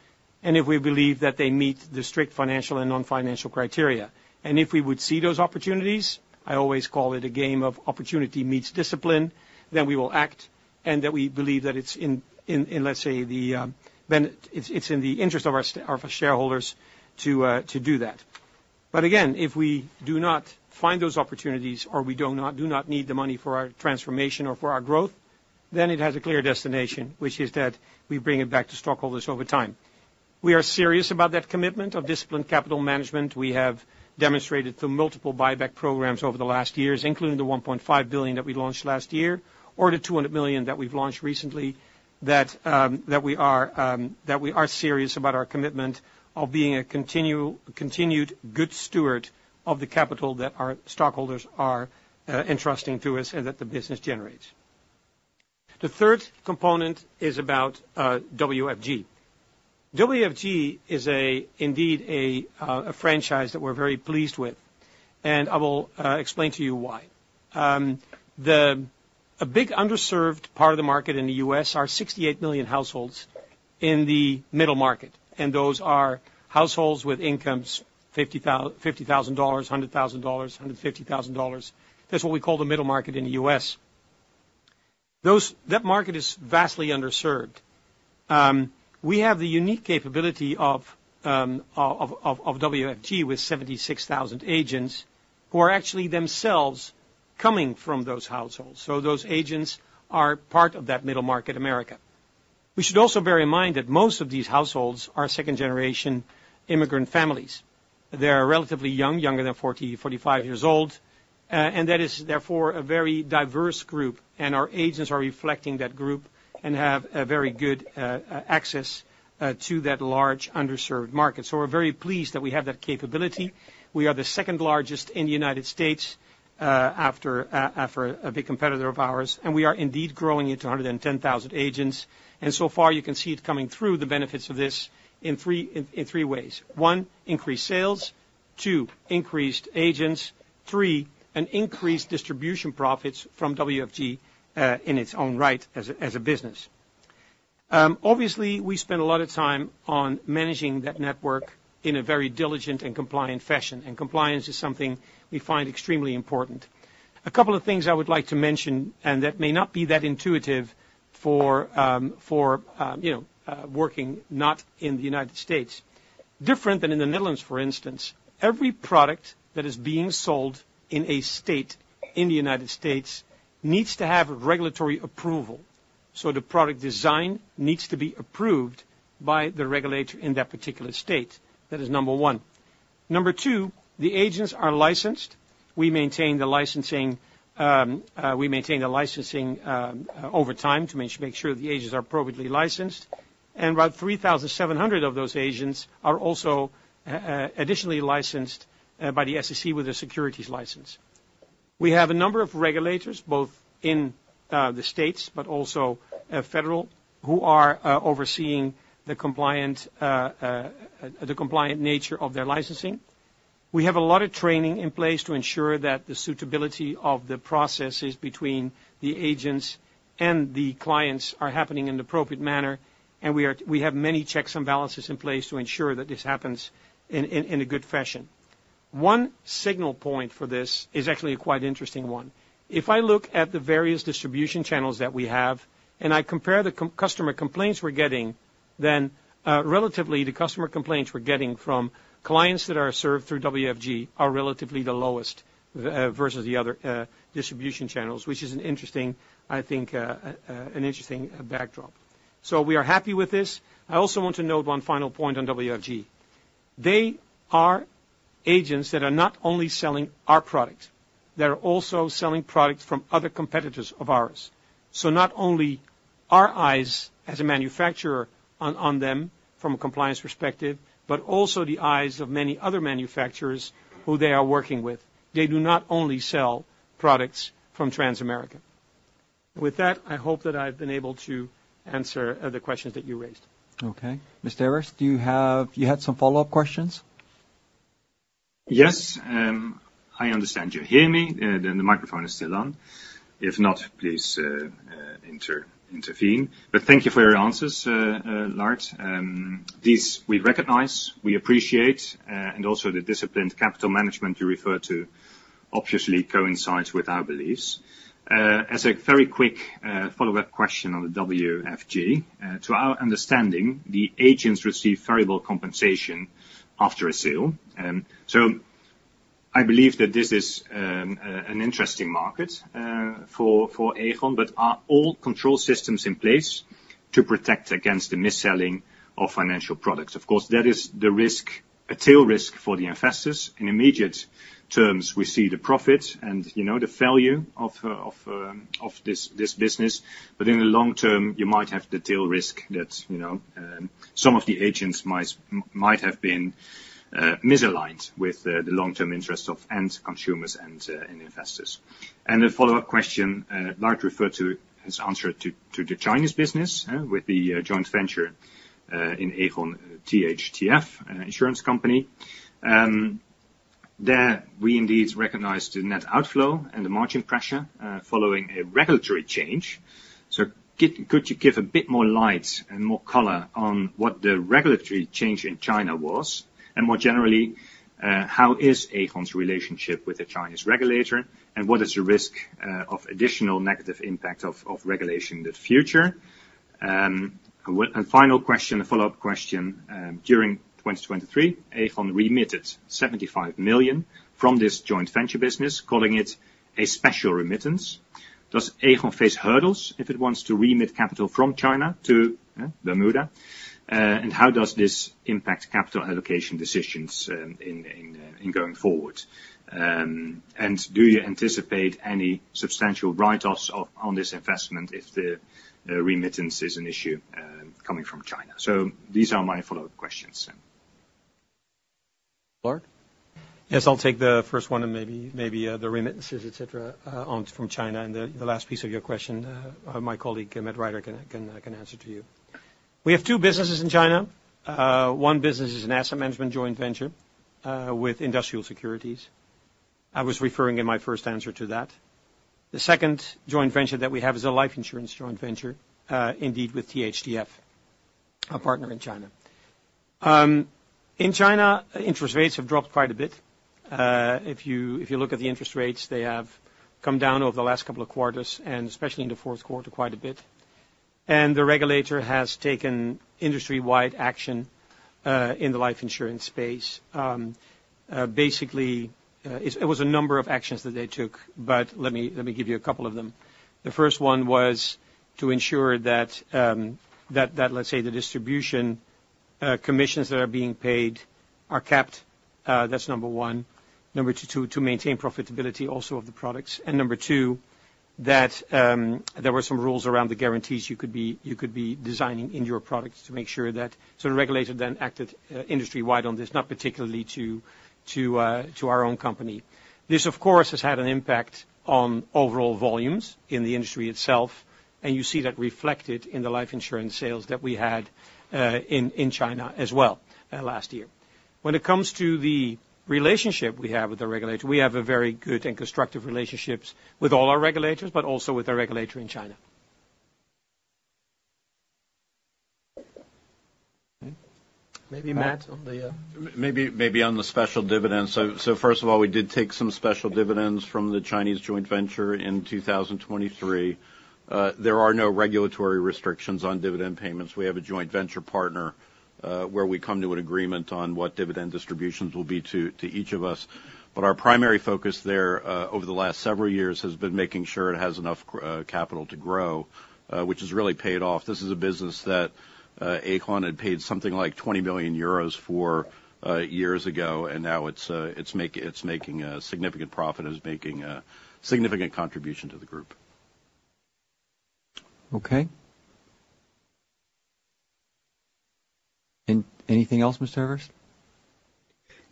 S2: and if we believe that they meet the strict financial and non-financial criteria. If we would see those opportunities, I always call it a game of opportunity meets discipline, then we will act, and that we believe that it's in, let's say, then it's in the interest of our shareholders to do that. But again, if we do not find those opportunities, or we do not need the money for our transformation or for our growth, then it has a clear destination, which is that we bring it back to stockholders over time. We are serious about that commitment of disciplined capital management. We have demonstrated through multiple buyback programs over the last years, including the $1.5 billion that we launched last year, or the $200 million that we've launched recently, that we are serious about our commitment of being a continued good steward of the capital that our stockholders are entrusting to us and that the business generates. The third component is about WFG. WFG is indeed a franchise that we're very pleased with, and I will explain to you why. A big underserved part of the market in the U.S. are 68 million households in the middle market, and those are households with incomes $50,000, $100,000, $150,000. That's what we call the middle market in the U.S. That market is vastly underserved. We have the unique capability of WFG with 76,000 agents, who are actually themselves coming from those households, so those agents are part of that middle market America. We should also bear in mind that most of these households are second-generation immigrant families. They are relatively young, younger than 40 years, 45 years old, and that is therefore a very diverse group, and our agents are reflecting that group and have a very good access to that large, underserved market. So we're very pleased that we have that capability. We are the second largest in the United States, after a big competitor of ours, and we are indeed growing it to 110,000 agents. And so far, you can see it coming through, the benefits of this, in three ways. One, increased sales. Two, increased agents. Three, an increased distribution profits from WFG, in its own right as a, as a business. Obviously, we spend a lot of time on managing that network in a very diligent and compliant fashion, and compliance is something we find extremely important. A couple of things I would like to mention, and that may not be that intuitive for, for, you know, working not in the United States. Different than in the Netherlands, for instance, every product that is being sold in a state in the United States needs to have regulatory approval, so the product design needs to be approved by the regulator in that particular state. That is number one. Number two, the agents are licensed. We maintain the licensing over time to make sure the agents are appropriately licensed. About 3,700 of those agents are also additionally licensed by the SEC with a securities license. We have a number of regulators, both in the States, but also federal, who are overseeing the compliant nature of their licensing. We have a lot of training in place to ensure that the suitability of the processes between the agents and the clients are happening in an appropriate manner, and we have many checks and balances in place to ensure that this happens in a good fashion. One signal point for this is actually a quite interesting one. If I look at the various distribution channels that we have, and I compare the customer complaints we're getting, then, relatively, the customer complaints we're getting from clients that are served through WFG are relatively the lowest, versus the other, distribution channels, which is an interesting, I think, an interesting backdrop. So we are happy with this. I also want to note one final point on WFG. They are agents that are not only selling our product, they are also selling products from other competitors of ours. So not only our eyes as a manufacturer on them from a compliance perspective, but also the eyes of many other manufacturers who they are working with. They do not only sell products from Transamerica. With that, I hope that I've been able to answer the questions that you raised.
S1: Okay. Mr. Harris, do you have... You had some follow-up questions?
S5: Yes. I understand you hear me, then the microphone is still on. If not, please intervene. But thank you for your answers, Lard. These we recognize, we appreciate, and also the disciplined capital management you refer to obviously coincides with our beliefs. As a very quick follow-up question on the WFG, to our understanding, the agents receive variable compensation after a sale. So I believe that this is an interesting market for Aegon, but are all control systems in place to protect against the mis-selling of financial products? Of course, that is the risk, a tail risk for the investors. In immediate terms, we see the profit and, you know, the value of this business, but in the long term, you might have the tail risk that, you know, some of the agents might have been misaligned with the long-term interests of end consumers and investors. A follow-up question, Lard referred to his answer to the Chinese business with the joint venture in Aegon THTF insurance company. There, we indeed recognize the net outflow and the margin pressure following a regulatory change. Could you give a bit more light and more color on what the regulatory change in China was? More generally, how is Aegon's relationship with the Chinese regulator, and what is the risk of additional negative impact of regulation in the future? Final question, a follow-up question, during 2023, Aegon remitted 75 million from this joint venture business, calling it a special remittance. Does Aegon face hurdles if it wants to remit capital from China to Bermuda? And how does this impact capital allocation decisions in going forward? And do you anticipate any substantial write-offs on this investment if the remittance is an issue coming from China? So these are my follow-up questions.
S6: Lard?
S2: Yes, I'll take the first one and maybe, maybe, the remittances, et cetera, on from China. And the last piece of your question, my colleague, Matt Rider, can answer to you. We have two businesses in China. One business is an asset management joint venture with Industrial Securities. I was referring in my first answer to that. The second joint venture that we have is a life insurance joint venture, indeed, with THTF, our partner in China. In China, interest rates have dropped quite a bit. If you look at the interest rates, they have come down over the last couple of quarters, and especially in the fourth quarter, quite a bit. And the regulator has taken industry-wide action in the life insurance space. Basically, it was a number of actions that they took, but let me give you a couple of them. The first one was to ensure that, let's say, the distribution commissions that are being paid are capped, that's number one. Number two, to maintain profitability also of the products. And number two, that there were some rules around the guarantees you could be designing in your products to make sure that so the regulator then acted industry-wide on this, not particularly to our own company. This, of course, has had an impact on overall volumes in the industry itself, and you see that reflected in the life insurance sales that we had in China as well last year. When it comes to the relationship we have with the regulator, we have a very good and constructive relationships with all our regulators, but also with our regulator in China. Maybe Matt, on the...
S7: Maybe, maybe on the special dividends. So, so first of all, we did take some special dividends from the Chinese joint venture in 2023. There are no regulatory restrictions on dividend payments. We have a joint venture partner, where we come to an agreement on what dividend distributions will be to, to each of us. But our primary focus there, over the last several years, has been making sure it has enough capital to grow, which has really paid off. This is a business that, Aegon had paid something like 20 million euros for, years ago, and now it's, it's making a significant profit, it's making a significant contribution to the group.
S1: Okay. Anything else, Mr. Everts?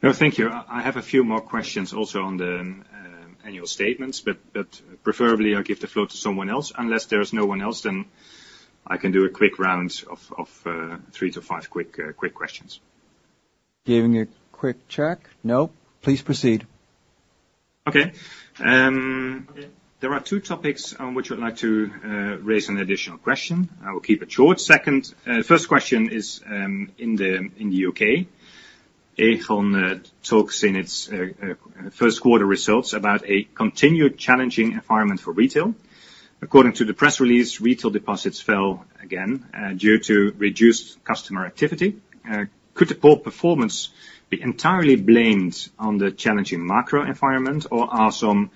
S5: No, thank you. I have a few more questions also on the annual statements, but preferably I'll give the floor to someone else. Unless there's no one else, then I can do a quick round of three to five quick questions.
S1: Giving a quick check. No, please proceed.
S5: Okay. There are two topics on which I would like to raise an additional question. I will keep it short. Second, first question is, in the U.K. Aegon talks in its first quarter results about a continued challenging environment for retail. According to the press release, retail deposits fell again due to reduced customer activity. Could the poor performance be entirely blamed on the challenging macro environment, or are some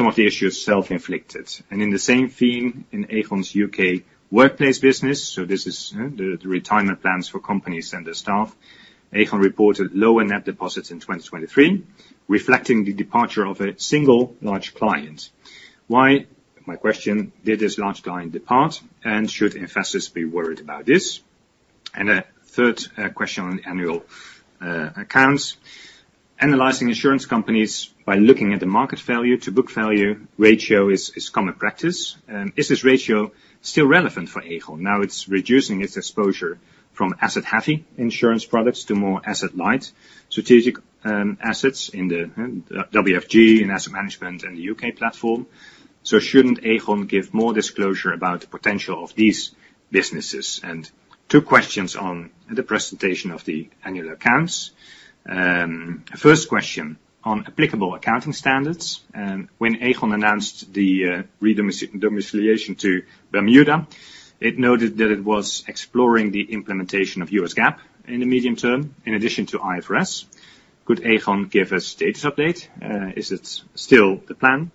S5: of the issues self-inflicted? And in the same theme, in Aegon's U.K. workplace business, so this is the retirement plans for companies and their staff. Aegon reported lower net deposits in 2023, reflecting the departure of a single large client. Why, my question: Did this large client depart, and should investors be worried about this? And a third question on the annual accounts. Analyzing insurance companies by looking at the market value to book value ratio is common practice. Is this ratio still relevant for Aegon? Now, it's reducing its exposure from asset-heavy insurance products to more asset-light, strategic assets in the WFG, in asset management, and the U.K. platform. So shouldn't Aegon give more disclosure about the potential of these businesses? And two questions on the presentation of the annual accounts. First question on applicable accounting standards. When Aegon announced the redomiciliation to Bermuda, it noted that it was exploring the implementation of U.S. GAAP in the medium term, in addition to IFRS. Could Aegon give a status update? Is it still the plan?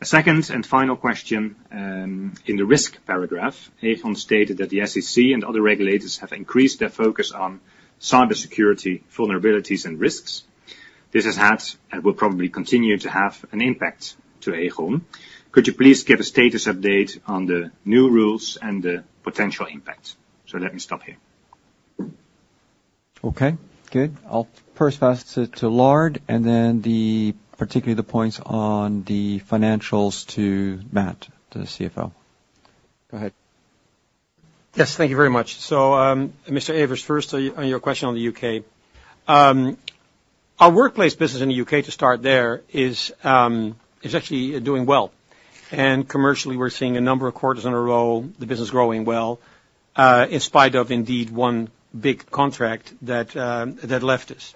S5: A second and final question, in the risk paragraph, Aegon stated that the SEC and other regulators have increased their focus on cybersecurity, vulnerabilities, and risks. This has had, and will probably continue to have, an impact to Aegon. Could you please give a status update on the new rules and the potential impact? Let me stop here.
S1: Okay, good. I'll first pass to Lard, and then the particular the points on the financials to Matt, the CFO. Go ahead.
S2: Yes, thank you very much. So, Mr. Everts, first, on your question on the U.K. Our workplace business in the U.K., to start there, is actually doing well. And commercially, we're seeing a number of quarters in a row, the business growing well, in spite of indeed one big contract that left us.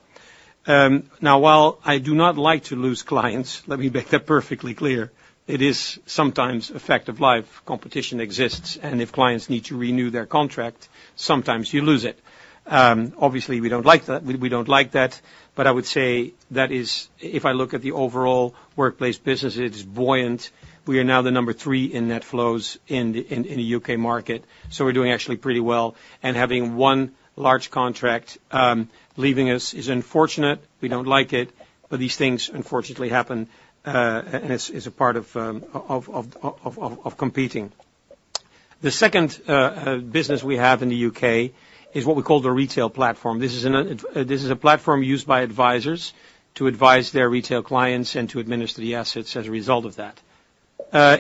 S2: Now, while I do not like to lose clients, let me make that perfectly clear, it is sometimes a fact of life. Competition exists, and if clients need to renew their contract, sometimes you lose it. Obviously, we don't like that. We don't like that, but I would say that is... If I look at the overall workplace business, it is buoyant. We are now the number three in net flows in the U.K. market, so we're doing actually pretty well. Having one large contract leaving us is unfortunate. We don't like it, but these things unfortunately happen, and it's a part of competing. The second business we have in the U.K. is what we call the retail platform. This is a platform used by advisors to advise their retail clients and to administer the assets as a result of that.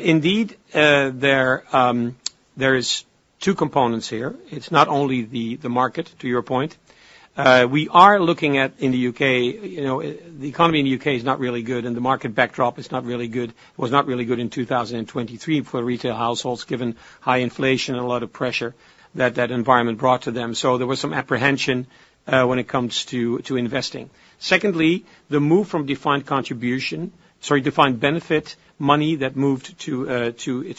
S2: Indeed, there are two components here. It's not only the market, to your point. We are looking at, in the U.K., you know, the economy in the U.K. is not really good, and the market backdrop is not really good. It was not really good in 2023 for retail households, given high inflation and a lot of pressure that that environment brought to them. So there was some apprehension when it comes to investing. Secondly, the move from defined contribution, sorry, defined benefit money that moved to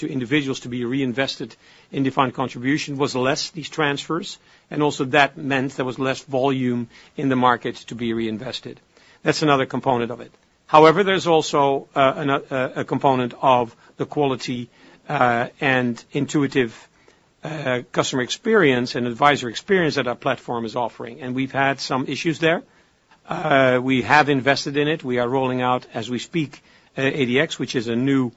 S2: individuals to be reinvested in defined contribution was less these transfers, and also that meant there was less volume in the market to be reinvested. That's another component of it. However, there's also another component of the quality and intuitive customer experience and advisor experience that our platform is offering, and we've had some issues there. We have invested in it. We are rolling out, as we speak, ADX, which is a new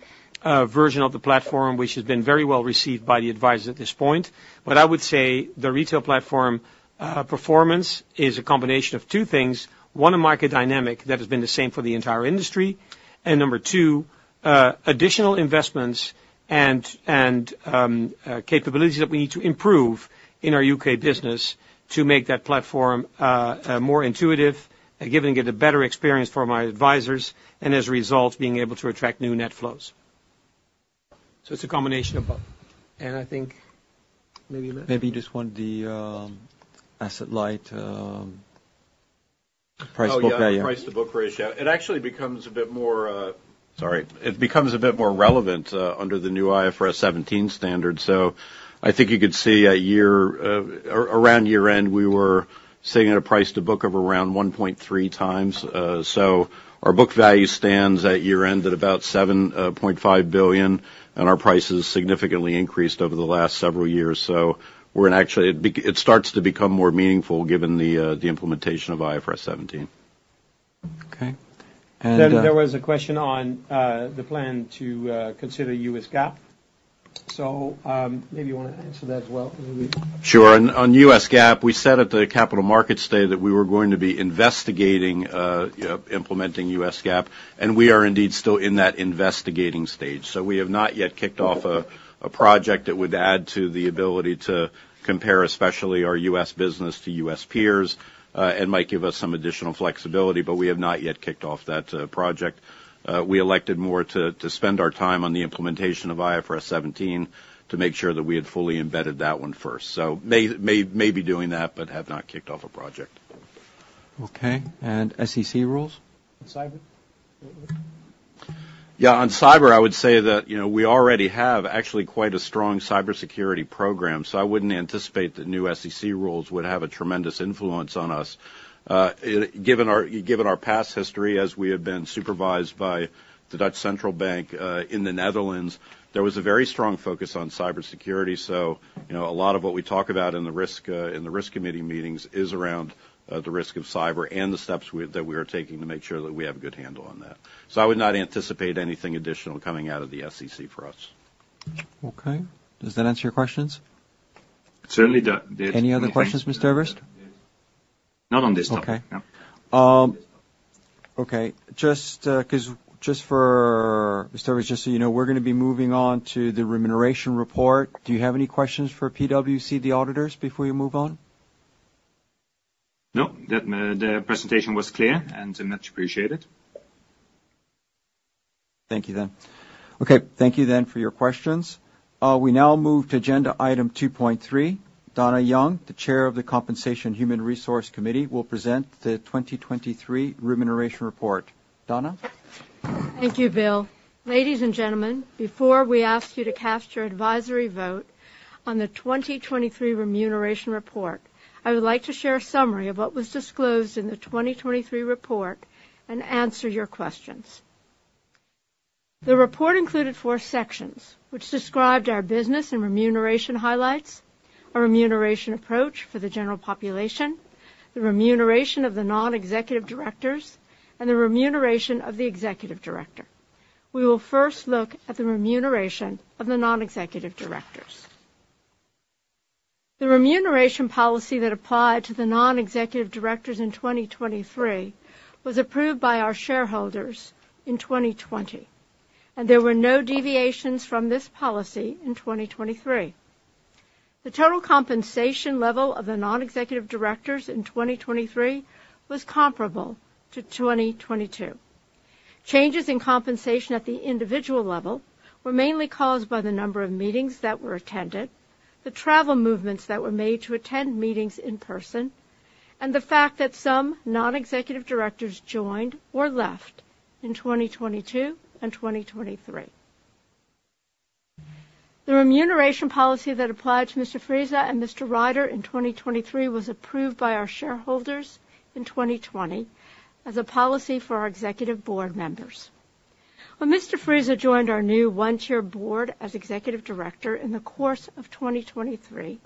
S2: version of the platform, which has been very well received by the advisors at this point. But I would say the retail platform performance is a combination of two things. One, a market dynamic that has been the same for the entire industry. And number two, additional investments and capabilities that we need to improve in our UK business to make that platform more intuitive, and giving it a better experience for my advisors, and as a result, being able to attract new net flows. So it's a combination of both. And I think maybe Matt? Maybe you just want the, asset light, price to book value.
S7: Oh, yeah, price to book ratio. It actually becomes a bit more relevant under the new IFRS 17 standard. So I think you could see a year around year-end, we were sitting at a price to book of around 1.3x. So our book value stands at year-end at about 7.5 billion, and our prices significantly increased over the last several years. So we're actually, it starts to become more meaningful given the implementation of IFRS 17.
S1: Okay. And, Then there was a question on the plan to consider U.S. GAAP. So, maybe you want to answer that as well, maybe?
S7: Sure. On U.S. GAAP, we said at the Capital Markets Day that we were going to be investigating implementing U.S. GAAP, and we are indeed still in that investigating stage. So we have not yet kicked off a project that would add to the ability to compare, especially our U.S. business to U.S. peers, and might give us some additional flexibility, but we have not yet kicked off that project. We elected more to spend our time on the implementation of IFRS 17, to make sure that we had fully embedded that one first. So may be doing that, but have not kicked off a project.
S1: Okay, and SEC rules? And cyber?
S7: Yeah, on cyber, I would say that, you know, we already have actually quite a strong cybersecurity program, so I wouldn't anticipate that new SEC rules would have a tremendous influence on us. Given our, given our past history, as we have been supervised by the Dutch Central Bank, in the Netherlands, there was a very strong focus on cybersecurity. So, you know, a lot of what we talk about in the risk, in the Risk Committee meetings is around, the risk of cyber and the steps that we are taking to make sure that we have a good handle on that. So I would not anticipate anything additional coming out of the SEC for us.
S1: Okay. Does that answer your questions?
S5: Certainly, does-
S1: Any other questions, Mr. Everts?
S5: Not on this topic, no.
S1: Okay. Okay, just, because just for Mr. Everts, just so you know, we're going to be moving on to the remuneration report. Do you have any questions for PwC, the auditors, before you move on?
S5: No. The presentation was clear and much appreciated.
S1: Thank you, then. Okay, thank you then for your questions. We now move to agenda item 2.3. Dona Young, the Chair of the Compensation and Human Resource Committee, will present the 2023 Remuneration Report. Dona?
S8: Thank you, Bill. Ladies and gentlemen, before we ask you to cast your advisory vote on the 2023 Remuneration Report, I would like to share a summary of what was disclosed in the 2023 report and answer your questions. The report included four sections, which described our business and remuneration highlights, our remuneration approach for the general population, the remuneration of the non-executive directors, and the remuneration of the executive director. We will first look at the remuneration of the non-executive directors. The remuneration policy that applied to the non-executive directors in 2023 was approved by our shareholders in 2020, and there were no deviations from this policy in 2023. The total compensation level of the non-executive directors in 2023 was comparable to 2022. Changes in compensation at the individual level were mainly caused by the number of meetings that were attended, the travel movements that were made to attend meetings in person, and the fact that some non-executive directors joined or left in 2022 and 2023. The remuneration policy that applied to Mr. Friese and Mr. Rider in 2023 was approved by our shareholders in 2020 as a policy for our executive board members. When Mr. Friese joined our new one-tier board as executive director in the course of 2023,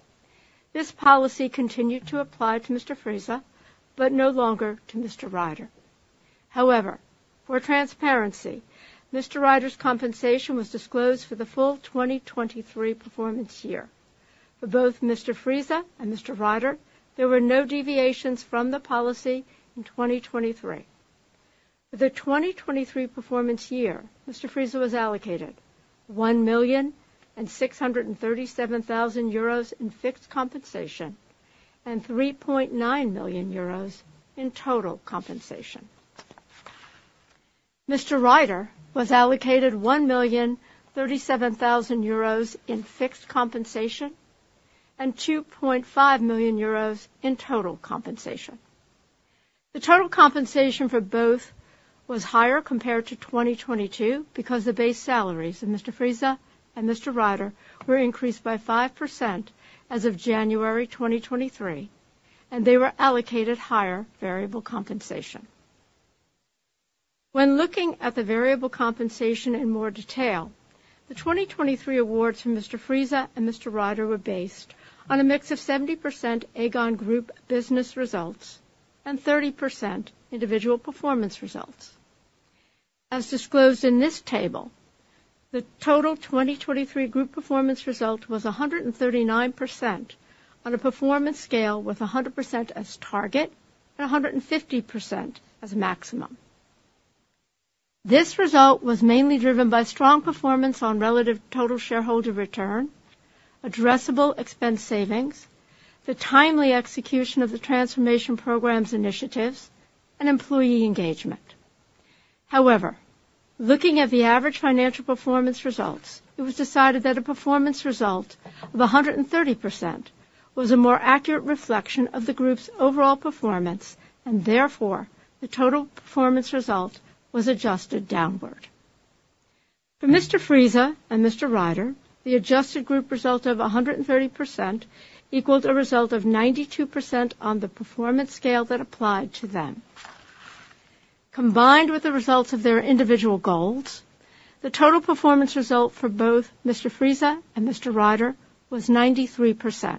S8: this policy continued to apply to Mr. Friese, but no longer to Mr. Rider. However, for transparency, Mr. Rider's compensation was disclosed for the full 2023 performance year. For both Mr. Friese and Mr. Rider, there were no deviations from the policy in 2023. For the 2023 performance year, Mr. Friese was allocated 1.637 million euros in fixed compensation and 3.9 million euros in total compensation. Mr. Rider was allocated 1.037 million euros in fixed compensation and 2.5 million euros in total compensation. The total compensation for both was higher compared to 2022 because the base salaries of Mr. Friese and Mr. Rider were increased by 5% as of January 2023, and they were allocated higher variable compensation. When looking at the variable compensation in more detail, the 2023 awards for Mr. Friese and Mr. Rider were based on a mix of 70% Aegon Group business results and 30% individual performance results. As disclosed in this table, the total 2023 group performance result was 139% on a performance scale, with 100% as target and 150% as maximum. This result was mainly driven by strong performance on relative total shareholder return, addressable expense savings, the timely execution of the transformation programs initiatives, and employee engagement. However, looking at the average financial performance results, it was decided that a performance result of 130% was a more accurate reflection of the group's overall performance, and therefore, the total performance result was adjusted downward. For Mr. Friese and Mr. Rider, the adjusted group result of 130% equaled a result of 92% on the performance scale that applied to them. Combined with the results of their individual goals, the total performance result for both Mr. Friese and Mr. Rider was 93%.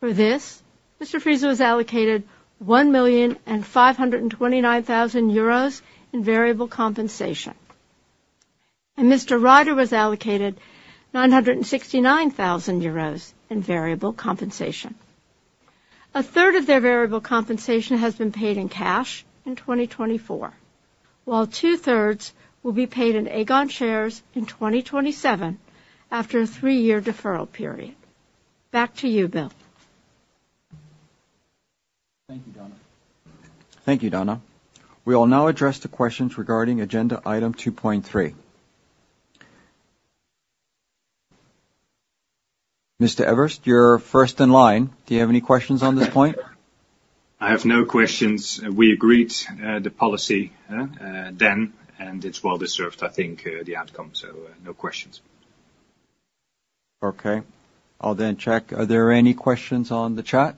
S8: For this, Mr. Friese was allocated 1,529,000 euros in variable compensation, and Mr. Rider was allocated 969,000 euros in variable compensation. A third of their variable compensation has been paid in cash in 2024, while two-thirds will be paid in Aegon shares in 2027 after a three-year deferral period. Back to you, Bill.
S1: Thank you, Dona. Thank you, Dona. We will now address the questions regarding agenda item 2.3. Mr. Everts, you're first in line. Do you have any questions on this point?
S5: I have no questions. We agreed, the policy, then, and it's well-deserved, I think, the outcome, so, no questions.
S1: Okay. I'll then check. Are there any questions on the chat?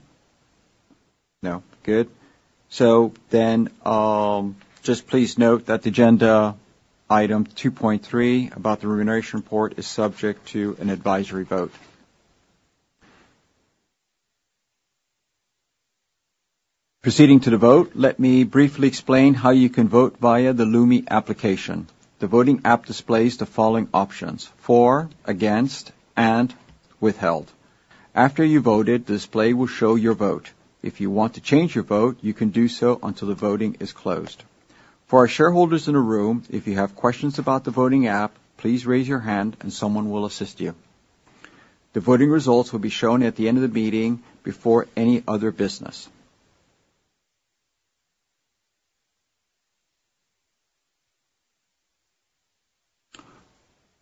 S1: No. Good. So then, just please note that the agenda item 2.3, about the Remuneration Report, is subject to an advisory vote. Proceeding to the vote, let me briefly explain how you can vote via the Lumi application. The voting app displays the following options: for, against, and withheld. After you voted, the display will show your vote. If you want to change your vote, you can do so until the voting is closed. For our shareholders in the room, if you have questions about the voting app, please raise your hand and someone will assist you. The voting results will be shown at the end of the meeting before any other business.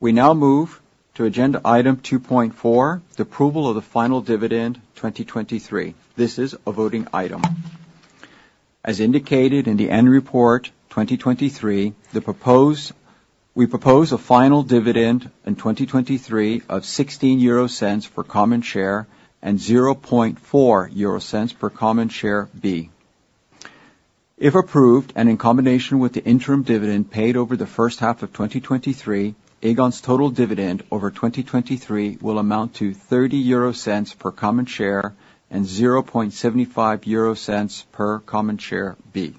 S1: We now move to agenda item 2.4, the approval of the final dividend 2023. This is a voting item. As indicated in the annual report 2023, we propose a final dividend in 2023 of 0.16 per common share and 0.004 per Common Share B. If approved, and in combination with the interim dividend paid over the first half of 2023, Aegon's total dividend over 2023 will amount to 0.30 per common share and 0.0075 per Common Share B.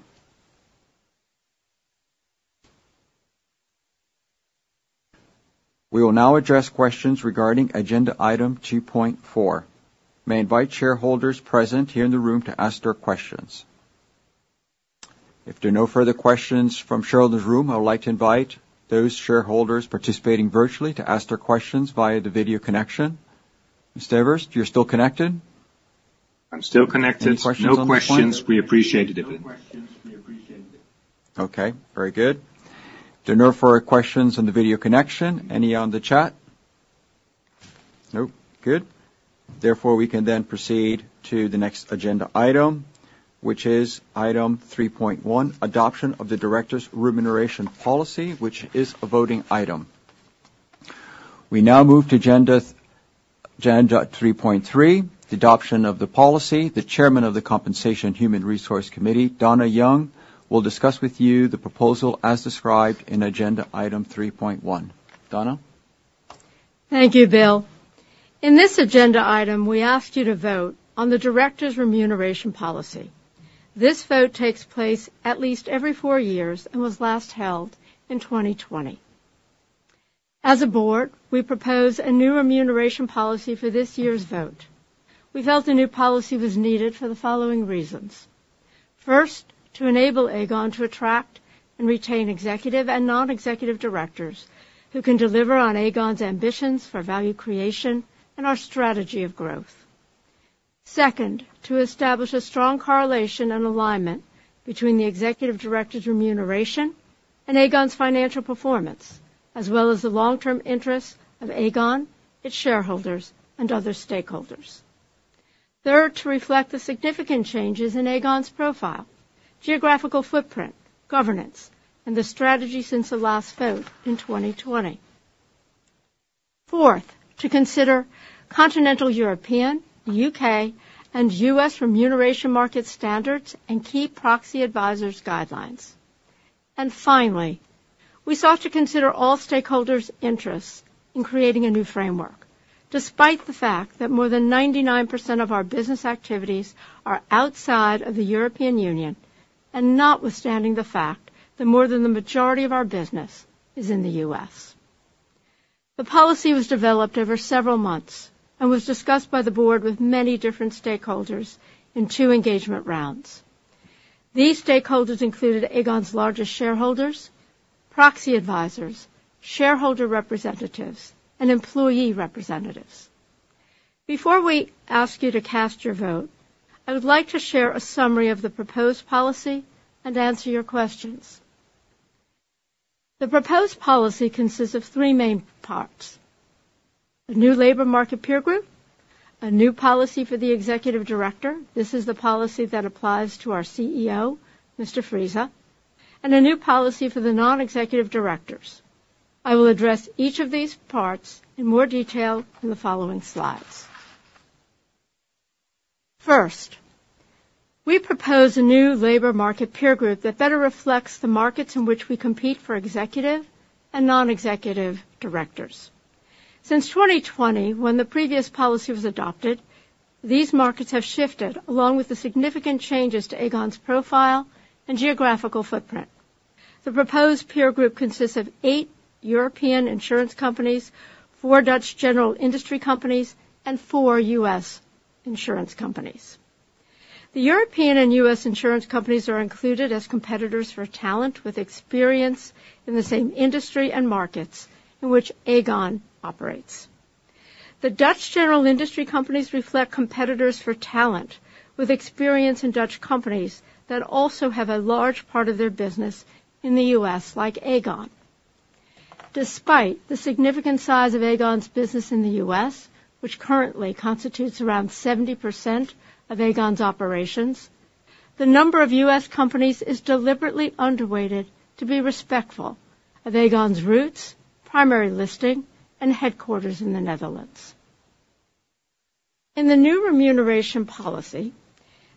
S1: We will now address questions regarding agenda item 2.4. May I invite shareholders present here in the room to ask their questions? If there are no further questions from shareholders in the room, I would like to invite those shareholders participating virtually to ask their questions via the video connection. Mr. Everts, you're still connected?
S5: I'm still connected.
S1: Any questions on this point?
S5: No questions. We appreciate it.
S1: Okay, very good. There are no further questions on the video connection. Any on the chat? No. Good. Therefore, we can then proceed to the next agenda item, which is item 3.1, adoption of the directors' remuneration policy, which is a voting item. We now move to agenda, agenda 3.3, the adoption of the policy. The Chair of the Compensation Human Resource Committee, Dona Young, will discuss with you the proposal as described in agenda item 3.1. Dona?
S8: Thank you, Bill. In this agenda item, we ask you to vote on the directors' remuneration policy. This vote takes place at least every four years and was last held in 2020. As a board, we propose a new remuneration policy for this year's vote. We felt a new policy was needed for the following reasons. First, to enable Aegon to attract and retain executive and non-executive directors who can deliver on Aegon's ambitions for value creation and our strategy of growth. Second, to establish a strong correlation and alignment between the executive directors' remuneration and Aegon's financial performance, as well as the long-term interests of Aegon, its shareholders, and other stakeholders. Third, to reflect the significant changes in Aegon's profile, geographical footprint, governance, and the strategy since the last vote in 2020. Fourth, to consider continental European, U.K., and U.S. remuneration market standards and key proxy advisors' guidelines. Finally, we sought to consider all stakeholders' interests in creating a new framework, despite the fact that more than 99% of our business activities are outside of the European Union, and notwithstanding the fact that more than the majority of our business is in the U.S. The policy was developed over several months and was discussed by the board with many different stakeholders in two engagement rounds. These stakeholders included Aegon's largest shareholders, proxy advisors, shareholder representatives, and employee representatives. Before we ask you to cast your vote, I would like to share a summary of the proposed policy and answer your questions. The proposed policy consists of three main parts: a new labor market peer group, a new policy for the executive director, this is the policy that applies to our CEO, Mr. Friese, and a new policy for the non-executive directors. I will address each of these parts in more detail in the following slides. We propose a new labor market peer group that better reflects the markets in which we compete for executive and non-executive directors. Since 2020, when the previous policy was adopted, these markets have shifted, along with the significant changes to Aegon's profile and geographical footprint. The proposed peer group consists of eight European insurance companies, four Dutch general industry companies, and four US insurance companies. The European and U.S. insurance companies are included as competitors for talent with experience in the same industry and markets in which Aegon operates. The Dutch general industry companies reflect competitors for talent with experience in Dutch companies that also have a large part of their business in the U.S., like Aegon. Despite the significant size of Aegon's business in the U.S., which currently constitutes around 70% of Aegon's operations, the number of U.S. companies is deliberately underweighted to be respectful of Aegon's roots, primary listing, and headquarters in the Netherlands. In the new remuneration policy,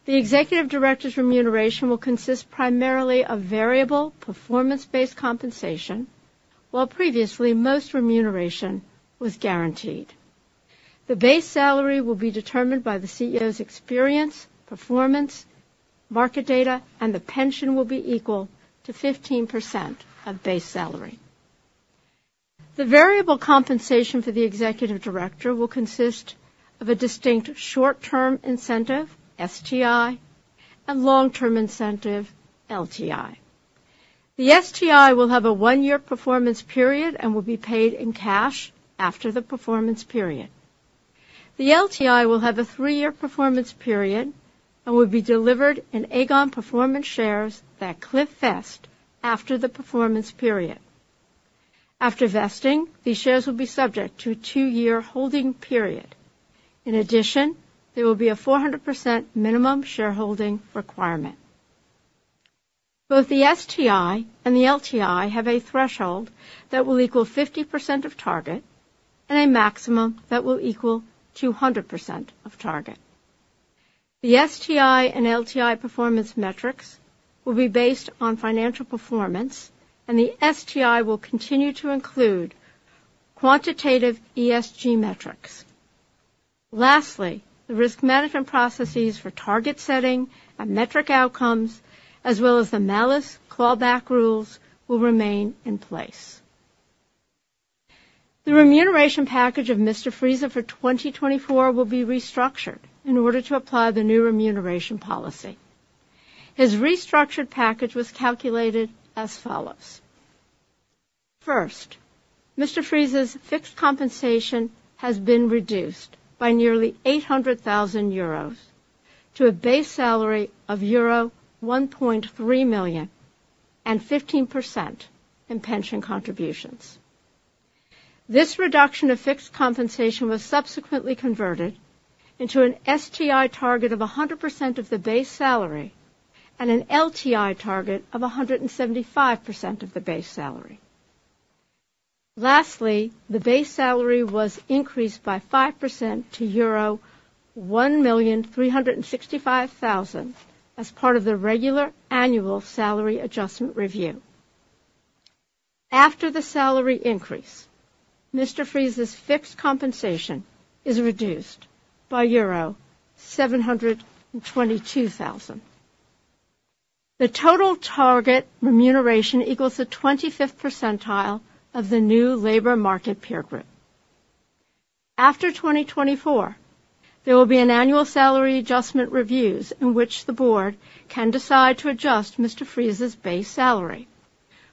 S8: the executive director's remuneration will consist primarily of variable, performance-based compensation, while previously, most remuneration was guaranteed. The base salary will be determined by the CEO's experience, performance, market data, and the pension will be equal to 15% of base salary. The variable compensation for the executive director will consist of a distinct short-term incentive, STI, and long-term incentive, LTI. The STI will have a one-year performance period and will be paid in cash after the performance period. The LTI will have a three-year performance period and will be delivered in Aegon performance shares that cliff vest after the performance period. After vesting, these shares will be subject to a two-year holding period. In addition, there will be a 400% minimum shareholding requirement. Both the STI and the LTI have a threshold that will equal 50% of target and a maximum that will equal 200% of target. The STI and LTI performance metrics will be based on financial performance, and the STI will continue to include quantitative ESG metrics. Lastly, the risk management processes for target setting and metric outcomes, as well as the malus clawback rules, will remain in place. The remuneration package of Mr. Friese for 2024 will be restructured in order to apply the new remuneration policy. His restructured package was calculated as follows. First, Mr. Friese's fixed compensation has been reduced by nearly 800,000 euros to a base salary of euro 1.3 million and 15% in pension contributions. This reduction of fixed compensation was subsequently converted into an STI target of 100% of the base salary and an LTI target of 175% of the base salary. Lastly, the base salary was increased by 5% to euro 1,365,000 as part of the regular annual salary adjustment review. After the salary increase, Mr. Friese's fixed compensation is reduced by euro 722,000. The total target remuneration equals the 25th percentile of the new labor market peer group. After 2024, there will be an annual salary adjustment reviews in which the Board can decide to adjust Mr. Friese's base salary.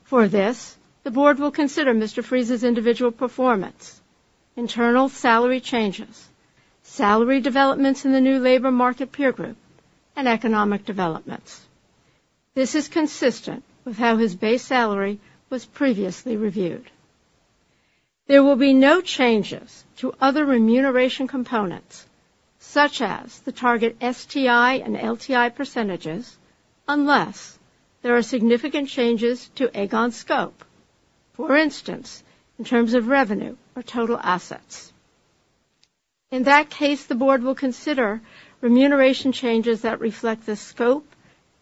S8: For this, the Board will consider Mr. Friese's individual performance, internal salary changes, salary developments in the new labor market peer group, and economic developments. This is consistent with how his base salary was previously reviewed. There will be no changes to other remuneration components, such as the target STI and LTI percentages, unless there are significant changes to Aegon's scope, for instance, in terms of revenue or total assets. In that case, the board will consider remuneration changes that reflect the scope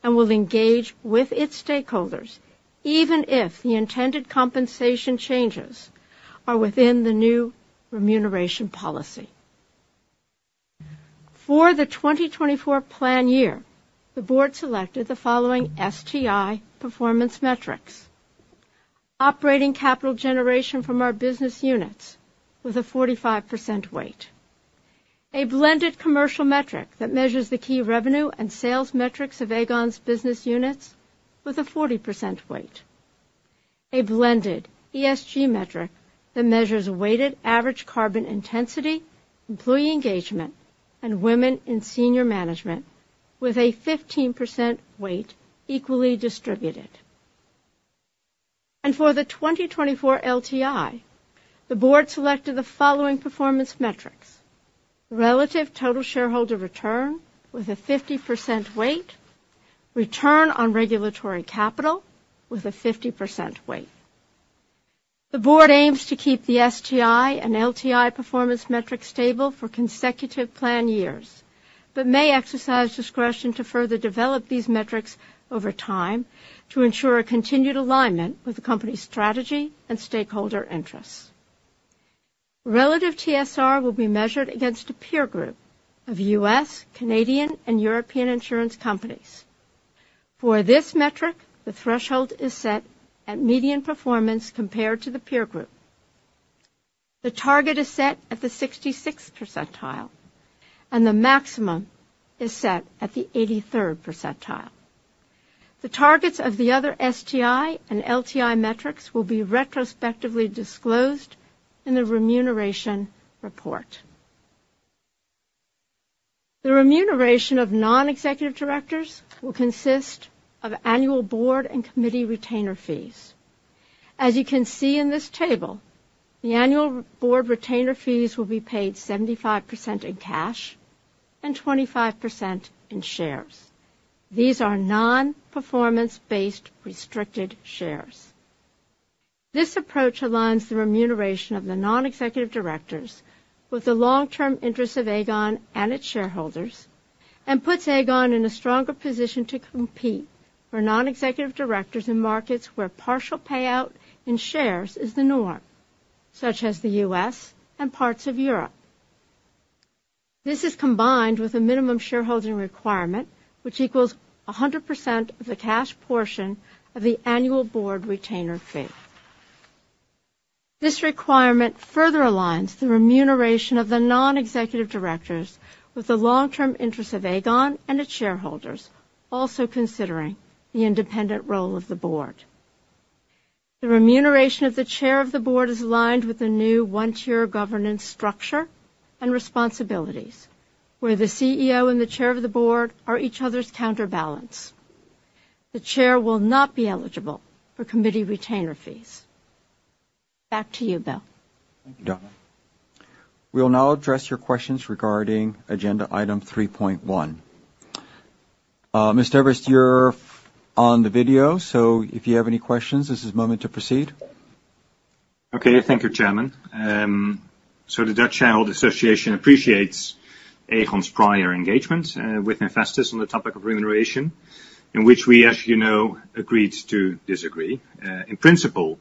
S8: and will engage with its stakeholders, even if the intended compensation changes are within the new remuneration policy. For the 2024 plan year, the board selected the following STI performance metrics. Operating capital generation from our business units with a 45% weight, a blended commercial metric that measures the key revenue and sales metrics of Aegon's business units with a 40% weight, a blended ESG metric that measures weighted average carbon intensity, employee engagement, and women in senior management with a 15% weight equally distributed. For the 2024 LTI, the board selected the following performance metrics: relative total shareholder return with a 50% weight, return on regulatory capital with a 50% weight. The board aims to keep the STI and LTI performance metric stable for consecutive plan years, but may exercise discretion to further develop these metrics over time to ensure a continued alignment with the company's strategy and stakeholder interests. Relative TSR will be measured against a peer group of U.S., Canadian, and European insurance companies. For this metric, the threshold is set at median performance compared to the peer group. The target is set at the 66th percentile, and the maximum is set at the 83rd percentile. The targets of the other STI and LTI metrics will be retrospectively disclosed in the remuneration report. The remuneration of non-executive directors will consist of annual board and committee retainer fees. As you can see in this table, the annual board retainer fees will be paid 75% in cash and 25% in shares. These are non-performance based restricted shares. This approach aligns the remuneration of the non-executive directors with the long-term interests of Aegon and its shareholders, and puts Aegon in a stronger position to compete for non-executive directors in markets where partial payout in shares is the norm, such as the U.S. and parts of Europe. This is combined with a minimum shareholding requirement, which equals 100% of the cash portion of the annual board retainer fee. This requirement further aligns the remuneration of the non-executive directors with the long-term interests of Aegon and its shareholders, also considering the independent role of the board. The remuneration of the Chair of the Board is aligned with the new one-tier governance structure and responsibilities, where the CEO and the Chair of the Board are each other's counterbalance. The Chair will not be eligible for committee retainer fees. Back to you, Bill.
S1: Thank you, Dona. We will now address your questions regarding agenda item 3.1. Mr. Everts, you're on the video, so if you have any questions, this is the moment to proceed.
S5: Okay, thank you, Chairman. So the Royal Dutch Shareholders Association appreciates Aegon's prior engagement with investors on the topic of remuneration, in which we, as you know, agreed to disagree. In principle,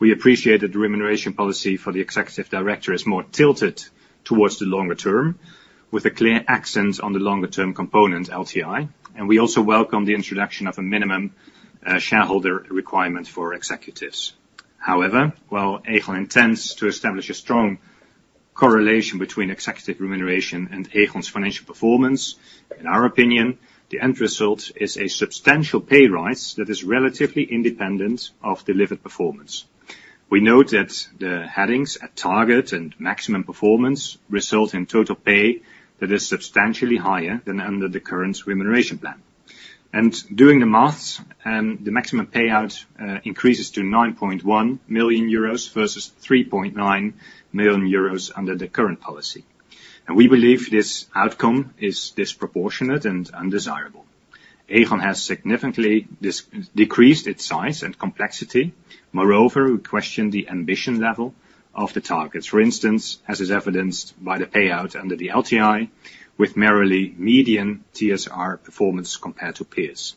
S5: we appreciate that the remuneration policy for the executive director is more tilted towards the longer term, with a clear accent on the longer term component, LTI. We also welcome the introduction of a minimum shareholder requirement for executives. However, while Aegon intends to establish a strong correlation between executive remuneration and Aegon's financial performance, in our opinion, the end result is a substantial pay rise that is relatively independent of delivered performance. We note that the headings at Target and Maximum Performance result in total pay that is substantially higher than under the current remuneration plan. Doing the math, the maximum payout increases to 9.1 million euros versus 3.9 million euros under the current policy. We believe this outcome is disproportionate and undesirable. Aegon has significantly decreased its size and complexity. Moreover, we question the ambition level of the targets. For instance, as is evidenced by the payout under the LTI, with merely median TSR performance compared to peers.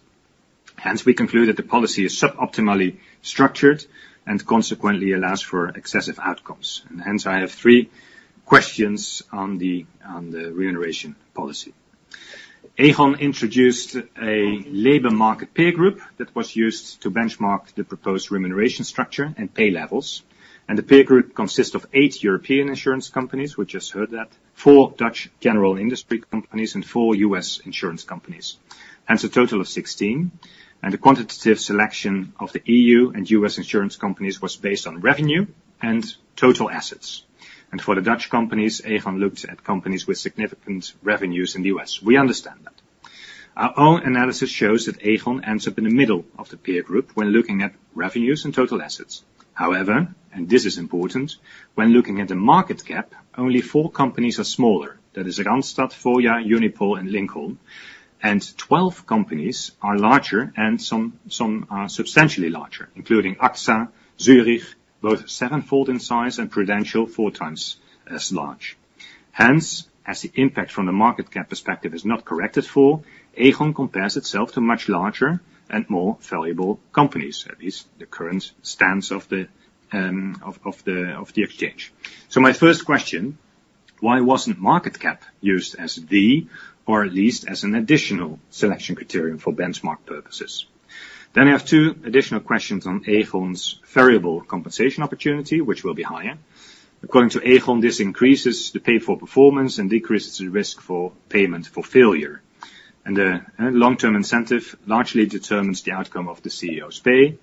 S5: Hence, we conclude that the policy is suboptimally structured and consequently allows for excessive outcomes. Hence, I have three questions on the remuneration policy. Aegon introduced a labor market peer group that was used to benchmark the proposed remuneration structure and pay levels, and the peer group consists of eight European insurance companies. We just heard that. Four Dutch general industry companies and four U.S. insurance companies. Hence, a total of 16, and the quantitative selection of the EU and U.S. insurance companies was based on revenue and total assets. For the Dutch companies, Aegon looked at companies with significant revenues in the U.S. We understand that. Our own analysis shows that Aegon ends up in the middle of the peer group when looking at revenues and total assets. However, and this is important, when looking at the market cap, only four companies are smaller. That is Randstad, Voya, Unipol, and Lincoln. 12 companies are larger and some are substantially larger, including AXA, Zurich, both sevenfold in size, and Prudential, four times as large. Hence, as the impact from the market cap perspective is not corrected for, Aegon compares itself to much larger and more valuable companies, at least the current stance of the exchange. So my first question: Why wasn't market cap used as the, or at least as an additional selection criterion for benchmark purposes? Then I have two additional questions on Aegon's variable compensation opportunity, which will be higher. According to Aegon, this increases the pay for performance and decreases the risk for payment for failure, and the long-term incentive largely determines the outcome of the CEO's pay.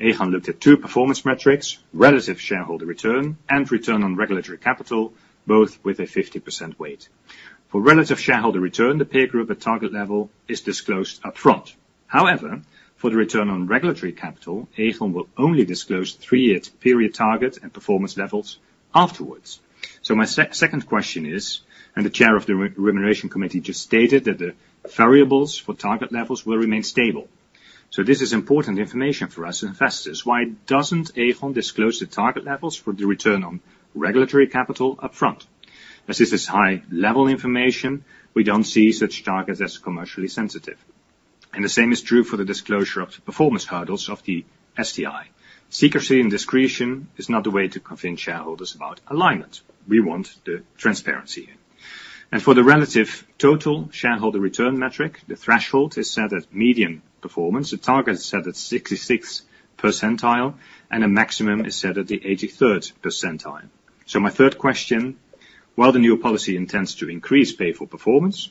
S5: Aegon looked at two performance metrics, relative shareholder return and return on regulatory capital, both with a 50% weight. For relative shareholder return, the peer group at target level is disclosed up front. However, for the return on regulatory capital, Aegon will only disclose three-year period targets and performance levels afterwards. So my second question is, and the Chair of the Remuneration Committee just stated that the variables for target levels will remain stable.... So this is important information for us investors. Why doesn't Aegon disclose the target levels for the return on regulatory capital upfront? As this is high level information, we don't see such targets as commercially sensitive, and the same is true for the disclosure of the performance hurdles of the STI. Secrecy and discretion is not the way to convince shareholders about alignment. We want the transparency here. And for the relative total shareholder return metric, the threshold is set at median performance. The target is set at 66th percentile, and a maximum is set at the 83rd percentile. So my third question, while the new policy intends to increase pay for performance,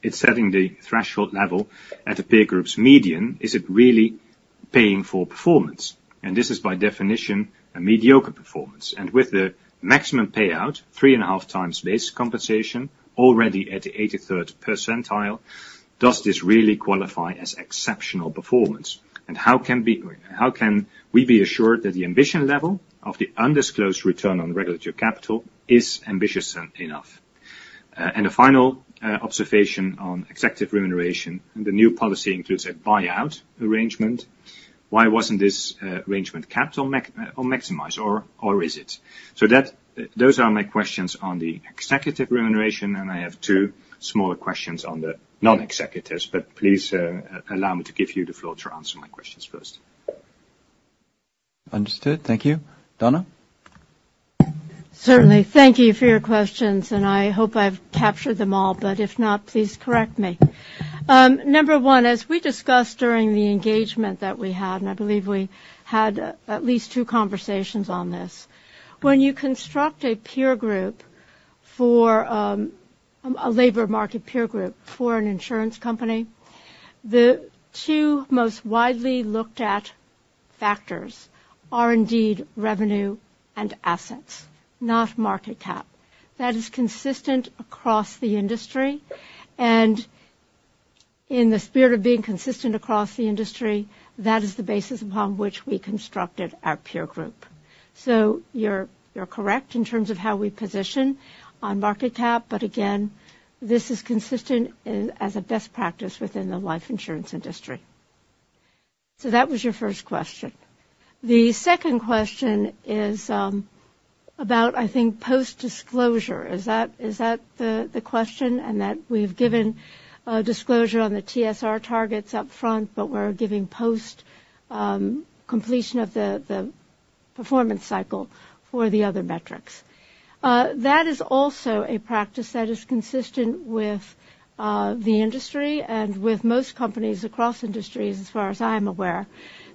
S5: it's setting the threshold level at a peer group's median. Is it really paying for performance? And this is by definition, a mediocre performance. With the maximum payout, 3.5x base compensation, already at the 83rd percentile, does this really qualify as exceptional performance? How can we be assured that the ambition level of the undisclosed return on regulatory capital is ambitious enough? A final observation on executive remuneration, the new policy includes a buyout arrangement. Why wasn't this arrangement capped or maxed or maximized, or is it? So those are my questions on the executive remuneration, and I have two smaller questions on the non-executives, but please allow me to give you the floor to answer my questions first.
S1: Understood. Thank you. Dona?
S8: Certainly, thank you for your questions, and I hope I've captured them all, but if not, please correct me. Number one, as we discussed during the engagement that we had, and I believe we had at least two conversations on this. When you construct a peer group for, a labor market peer group for an insurance company, the two most widely looked at factors are indeed revenue and assets, not market cap. That is consistent across the industry, and in the spirit of being consistent across the industry, that is the basis upon which we constructed our peer group. So you're correct in terms of how we position on market cap, but again, this is consistent as a best practice within the life insurance industry. So that was your first question. The second question is, about, I think, post-disclosure. Is that the question? And that we've given disclosure on the TSR targets up front, but we're giving post completion of the performance cycle for the other metrics. That is also a practice that is consistent with the industry and with most companies across industries, as far as I'm aware,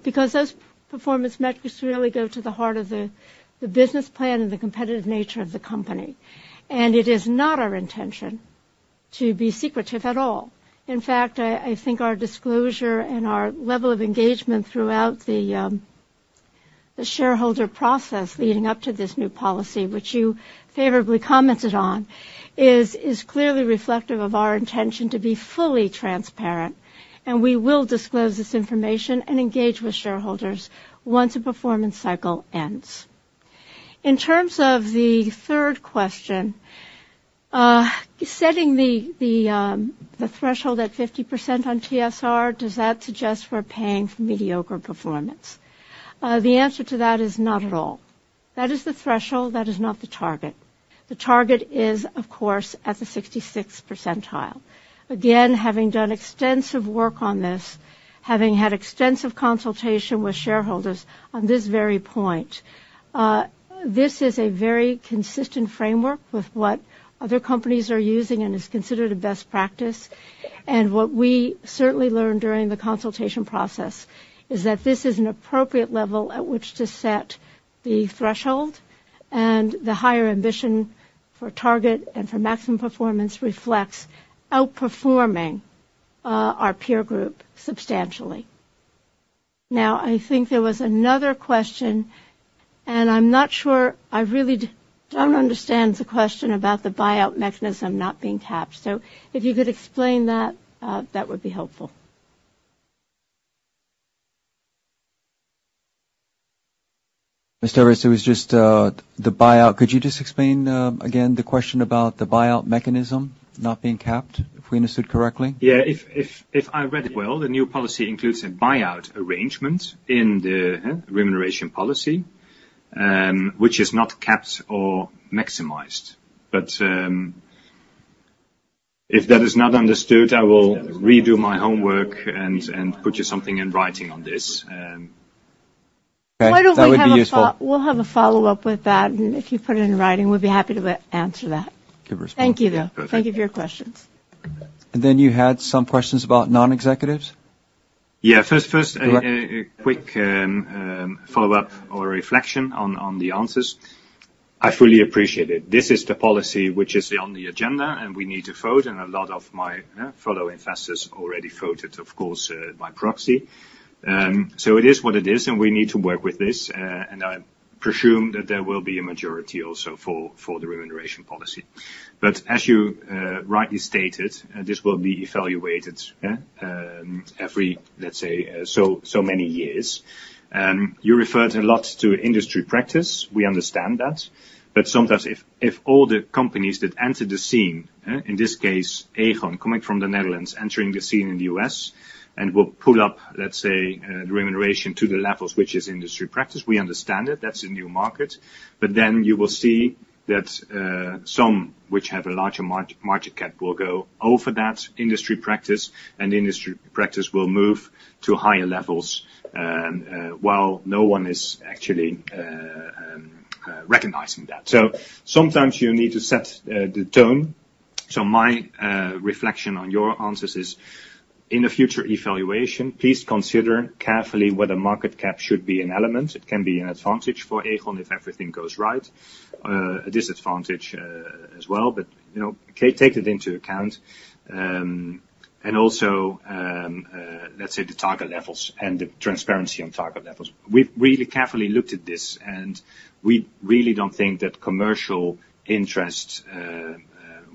S8: because those performance metrics really go to the heart of the business plan and the competitive nature of the company. And it is not our intention to be secretive at all. In fact, I think our disclosure and our level of engagement throughout the shareholder process leading up to this new policy, which you favorably commented on, is clearly reflective of our intention to be fully transparent, and we will disclose this information and engage with shareholders once a performance cycle ends. In terms of the third question, setting the threshold at 50% on TSR, does that suggest we're paying for mediocre performance? The answer to that is not at all. That is the threshold, that is not the target. The target is, of course, at the 66th percentile. Again, having done extensive work on this, having had extensive consultation with shareholders on this very point, this is a very consistent framework with what other companies are using and is considered a best practice. And what we certainly learned during the consultation process is that this is an appropriate level at which to set the threshold, and the higher ambition for target and for maximum performance reflects outperforming our peer group substantially. Now, I think there was another question, and I'm not sure. I really don't understand the question about the buyout mechanism not being capped. So if you could explain that, that would be helpful.
S1: Mr. Everts, it was just the buyout. Could you just explain again the question about the buyout mechanism not being capped, if we understood correctly?
S5: Yeah. If I read it well, the new policy includes a buyout arrangement in the remuneration policy, which is not capped or maximized. But if that is not understood, I will redo my homework and put you something in writing on this.
S1: Okay. That would be useful.
S8: Why don't we have a follow-up with that, and if you put it in writing, we'll be happy to answer that.
S1: Good response.
S8: Thank you, though. Thank you for your questions.
S1: And then you had some questions about non-executives?
S5: Yeah. First,
S1: Go ahead
S5: A quick follow-up or reflection on the answers. I fully appreciate it. This is the policy which is on the agenda, and we need to vote, and a lot of my fellow investors already voted, of course, by proxy. So it is what it is, and we need to work with this, and I presume that there will be a majority also for the remuneration policy. But as you rightly stated, this will be evaluated, yeah, every, let's say, so many years. You referred a lot to industry practice. We understand that, but sometimes if all the companies that enter the scene, in this case, Aegon, coming from the Netherlands, entering the scene in the U.S., and will pull up, let's say, the remuneration to the levels which is industry practice, we understand it. That's a new market. But then you will see that, some which have a larger market cap will go over that industry practice, and the industry practice will move to higher levels, while no one is actually recognizing that. So sometimes you need to set the tone. So my reflection on your answers is, in the future evaluation, please consider carefully whether market cap should be an element. It can be an advantage for Aegon if everything goes right, a disadvantage, as well, but, you know, take it into account. And also, let's say the target levels and the transparency on target levels. We've really carefully looked at this, and we really don't think that commercial interests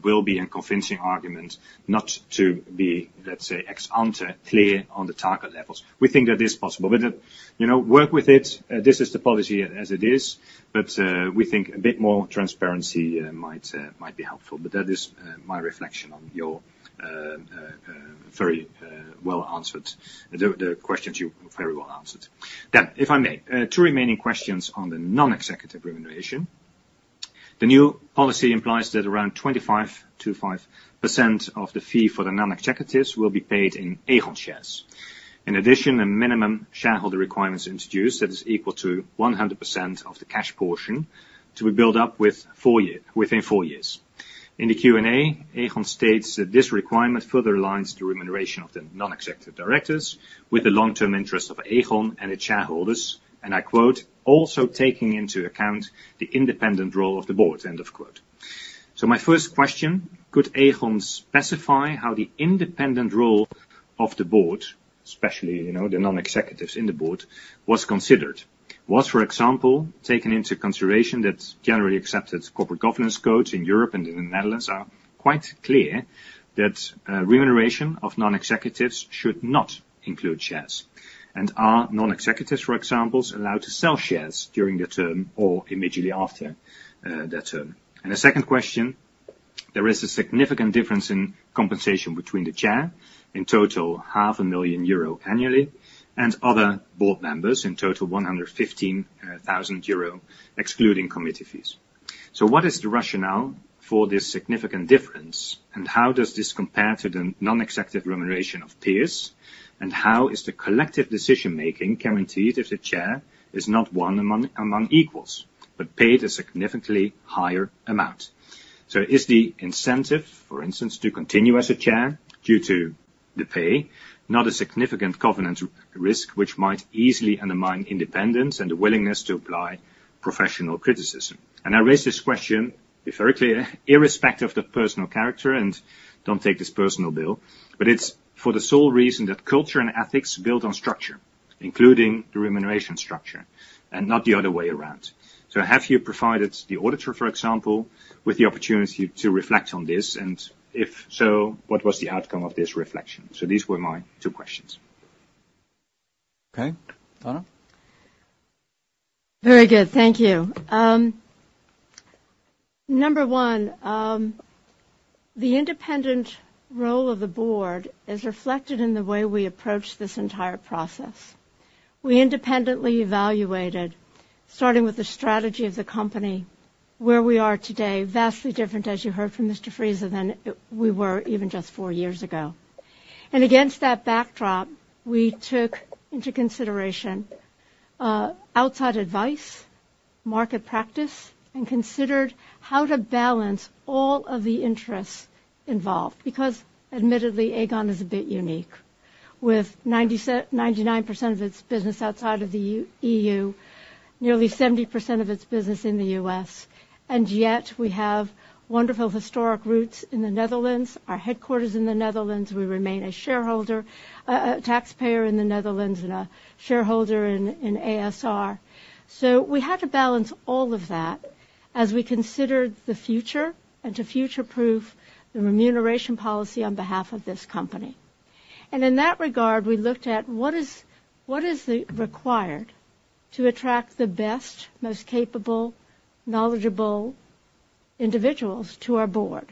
S5: will be a convincing argument not to be, let's say, ex ante clear on the target levels. We think that is possible. But, you know, work with it. This is the policy as it is, but we think a bit more transparency might be helpful. But that is my reflection on your very well-answered questions. Then, if I may, two remaining questions on the non-executive remuneration. The new policy implies that around 25%-5% of the fee for the non-executives will be paid in Aegon shares. In addition, a minimum shareholder requirement is introduced that is equal to 100% of the cash portion to be built up within four years. In the Q&A, Aegon states that this requirement further aligns the remuneration of the non-executive directors with the long-term interest of Aegon and the shareholders, and I quote, "Also taking into account the independent role of the board." End of quote. So my first question: could Aegon specify how the independent role of the board, especially, you know, the non-executives in the board, was considered? Was, for example, taken into consideration that generally accepted corporate governance codes in Europe and in the Netherlands are quite clear that remuneration of non-executives should not include shares? And are non-executives, for examples, allowed to sell shares during the term or immediately after their term? The second question, there is a significant difference in compensation between the Chair, in total 500,000 euro annually, and other Board members, in total 115,000 euro, excluding committee fees. So what is the rationale for this significant difference, and how does this compare to the non-executive remuneration of peers? And how is the collective decision-making guaranteed if the Chair is not one among equals, but paid a significantly higher amount? So is the incentive, for instance, to continue as a Chair due to the pay, not a significant governance risk, which might easily undermine independence and the willingness to apply professional criticism? I raise this question, be very clear, irrespective of the personal character, and don't take this personally, Bill, but it's for the sole reason that culture and ethics build on structure, including the remuneration structure, and not the other way around. So have you provided the auditor, for example, with the opportunity to reflect on this? And if so, what was the outcome of this reflection? So these were my two questions.
S1: Okay. Dona?
S8: Very good. Thank you. Number one, the independent role of the board is reflected in the way we approached this entire process. We independently evaluated, starting with the strategy of the company, where we are today, vastly different, as you heard from Mr. Friese, than it, we were even just four years ago. Against that backdrop, we took into consideration, outside advice, market practice, and considered how to balance all of the interests involved. Because admittedly, Aegon is a bit unique, with 99% of its business outside of the EU, nearly 70% of its business in the U.S., and yet we have wonderful historic roots in the Netherlands, our headquarters in the Netherlands, we remain a shareholder, taxpayer in the Netherlands and a shareholder in a.s.r. So we had to balance all of that as we considered the future and to future-proof the remuneration policy on behalf of this company. And in that regard, we looked at what is, what is the required to attract the best, most capable, knowledgeable individuals to our board,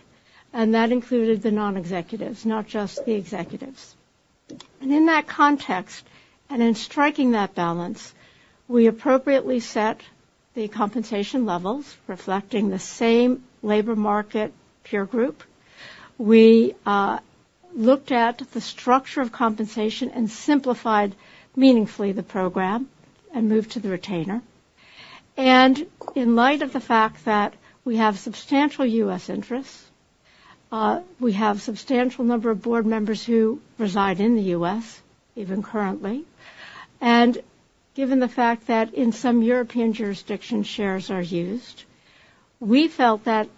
S8: and that included the non-executives, not just the executives. And in that context, and in striking that balance, we appropriately set the compensation levels, reflecting the same labor market peer group. We looked at the structure of compensation and simplified meaningfully the program and moved to the retainer. In light of the fact that we have substantial U.S. interests, we have substantial number of board members who reside in the U.S., even currently, and given the fact that in some European jurisdictions, shares are used. We felt that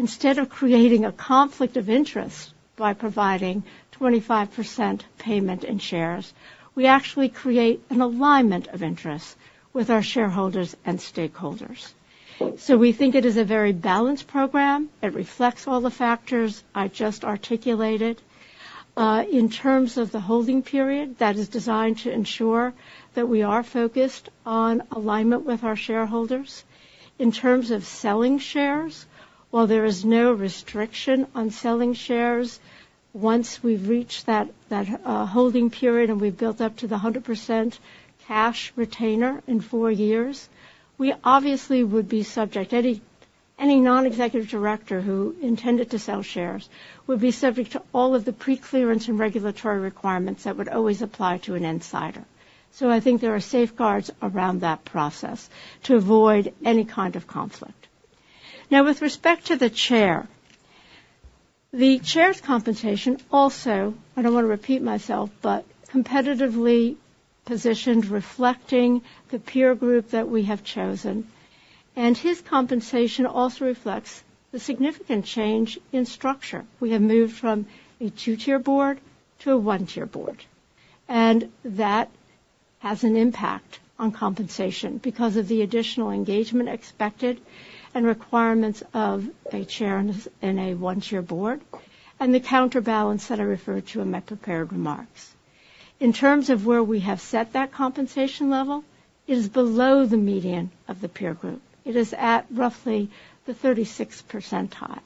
S8: instead of creating a conflict of interest by providing 25% payment in shares, we actually create an alignment of interest with our shareholders and stakeholders. So we think it is a very balanced program. It reflects all the factors I just articulated. In terms of the holding period, that is designed to ensure that we are focused on alignment with our shareholders. In terms of selling shares, while there is no restriction on selling shares, once we've reached that holding period, and we've built up to the 100% cash retainer in four years, we obviously would be subject, any non-executive director who intended to sell shares would be subject to all of the pre-clearance and regulatory requirements that would always apply to an insider. So I think there are safeguards around that process to avoid any kind of conflict. Now, with respect to the chair, the chair's compensation also, I don't want to repeat myself, but competitively positioned, reflecting the peer group that we have chosen, and his compensation also reflects the significant change in structure. We have moved from a two-tier board to a one-tier board, and that has an impact on compensation because of the additional engagement expected and requirements of a Chair in a one-tier board, and the counterbalance that I referred to in my prepared remarks. In terms of where we have set that compensation level, it is below the median of the peer group. It is at roughly the 36th percentile.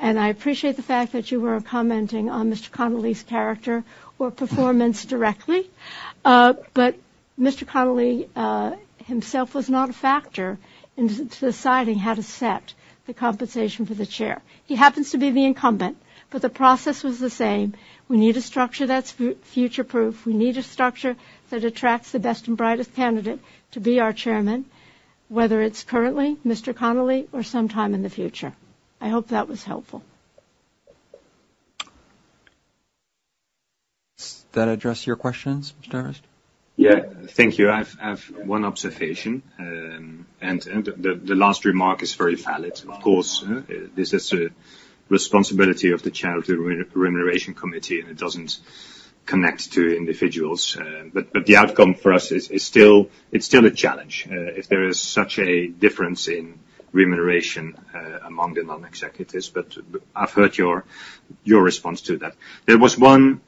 S8: And I appreciate the fact that you were commenting on Mr. Connelly's character or performance directly, but Mr. Connelly himself was not a factor in deciding how to set the compensation for the Chair. He happens to be the incumbent, but the process was the same. We need a structure that's future proof. We need a structure that attracts the best and brightest candidate to be our Chairman, whether it's currently Mr. Connelly or sometime in the future. I hope that was helpful.
S1: Does that address your questions, Mr. Everts?
S5: Yeah, thank you. I've one observation, and the last remark is very valid. Of course, this is a responsibility of the Chair of the Remuneration Committee, and it doesn't connect to individuals. But the outcome for us is still a challenge if there is such a difference in remuneration among the non-executives. But I've heard your response to that. There was one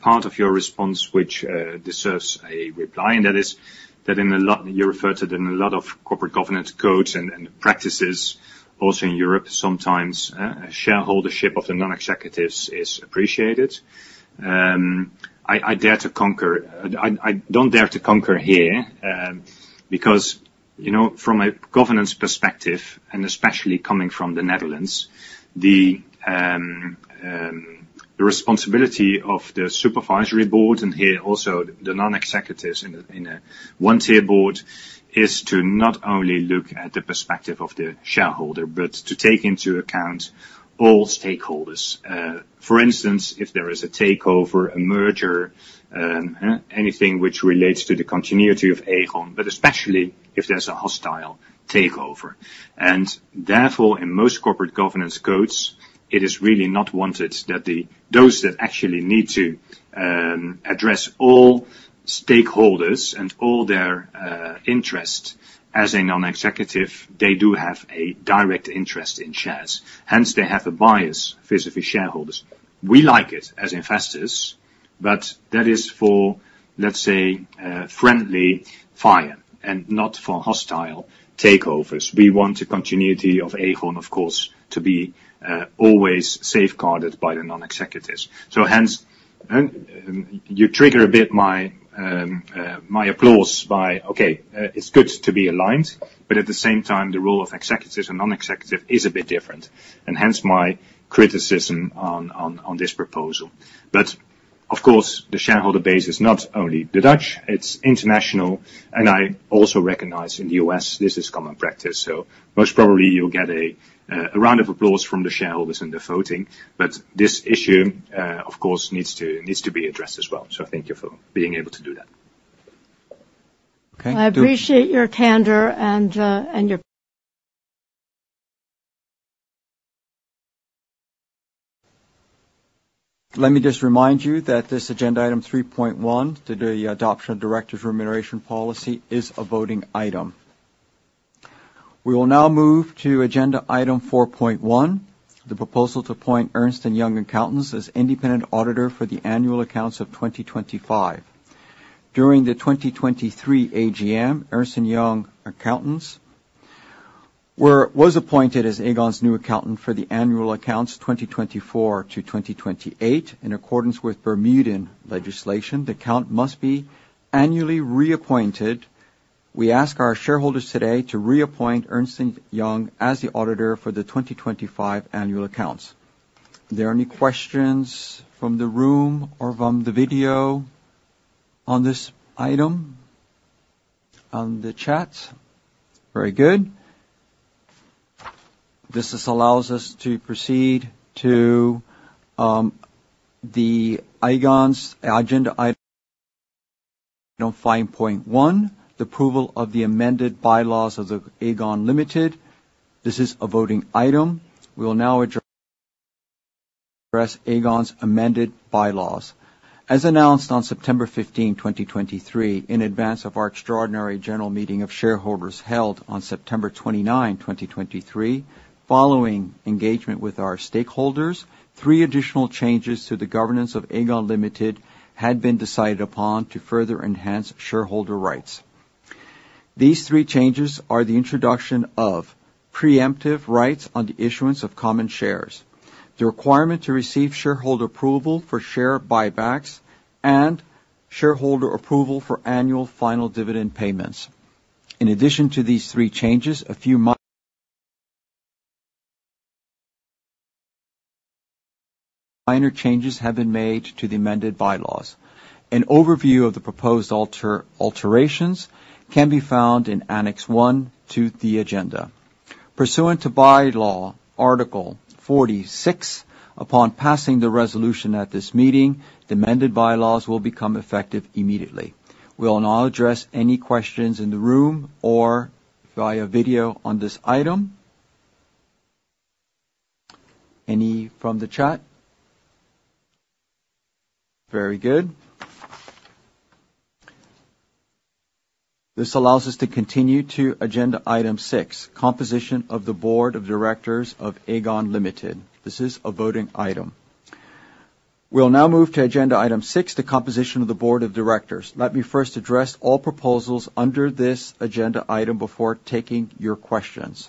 S5: part of your response which deserves a reply, and that is, that in a lot... You referred to in a lot of corporate governance codes and practices, also in Europe, sometimes shareholdership of the non-executives is appreciated. I don't dare to comment here, because, you know, from a governance perspective, and especially coming from the Netherlands, the responsibility of the supervisory board, and here also the non-executives in a one-tier board, is to not only look at the perspective of the shareholder, but to take into account all stakeholders. For instance, if there is a takeover, a merger, anything which relates to the continuity of Aegon, but especially if there's a hostile takeover. And therefore, in most corporate governance codes, it is really not wanted that those that actually need to address all stakeholders and all their interest as a non-executive, they do have a direct interest in shares. Hence, they have a bias vis-a-vis shareholders. We like it as investors, but that is for, let's say, friendly fire and not for hostile takeovers. We want the continuity of Aegon, of course, to be always safeguarded by the non-executives. So hence, you trigger a bit my applause by, okay, it's good to be aligned, but at the same time, the role of executives and non-executive is a bit different, and hence my criticism on this proposal. But of course, the shareholder base is not only the Dutch, it's international, and I also recognize in the U.S., this is common practice, so most probably you'll get a round of applause from the shareholders in the voting. But this issue, of course, needs to be addressed as well. So thank you for being able to do that.
S1: Okay.
S8: I appreciate your candor and your...
S1: Let me just remind you that this agenda item 3.1, the adoption of directors' remuneration policy, is a voting item. We will now move to agenda item 4.1, the proposal to appoint Ernst & Young Accountants as independent auditor for the annual accounts of 2025. During the 2023 AGM, Ernst & Young Accountants was appointed as Aegon's new accountant for the annual accounts 2024 to 2028. In accordance with Bermudian legislation, the accountant must be annually reappointed. We ask our shareholders today to reappoint Ernst & Young as the auditor for the 2025 annual accounts. Are there any questions from the room or from the video on this item on the chat? Very good. This allows us to proceed to Aegon's agenda item 5.1, the approval of the amended bylaws of the Aegon Limited. This is a voting item. We will now address Aegon's amended bylaws. As announced on September 15, 2023, in advance of our extraordinary general meeting of shareholders held on September 29, 2023, following engagement with our stakeholders, three additional changes to the governance of Aegon Limited had been decided upon to further enhance shareholder rights. These three changes are the introduction of preemptive rights on the issuance of common shares, the requirement to receive shareholder approval for share buybacks, and shareholder approval for annual final dividend payments. In addition to these three changes, a few minor changes have been made to the amended bylaws. An overview of the proposed alterations can be found in Annex One to the agenda. Pursuant to bylaw Article 46, upon passing the resolution at this meeting, the amended bylaws will become effective immediately. We will now address any questions in the room or via video on this item. Any from the chat? Very good. This allows us to continue to agenda item 6, Composition of the Board of Directors of Aegon Limited. This is a voting item. We'll now move to agenda item 6, the composition of the board of directors. Let me first address all proposals under this agenda item before taking your questions.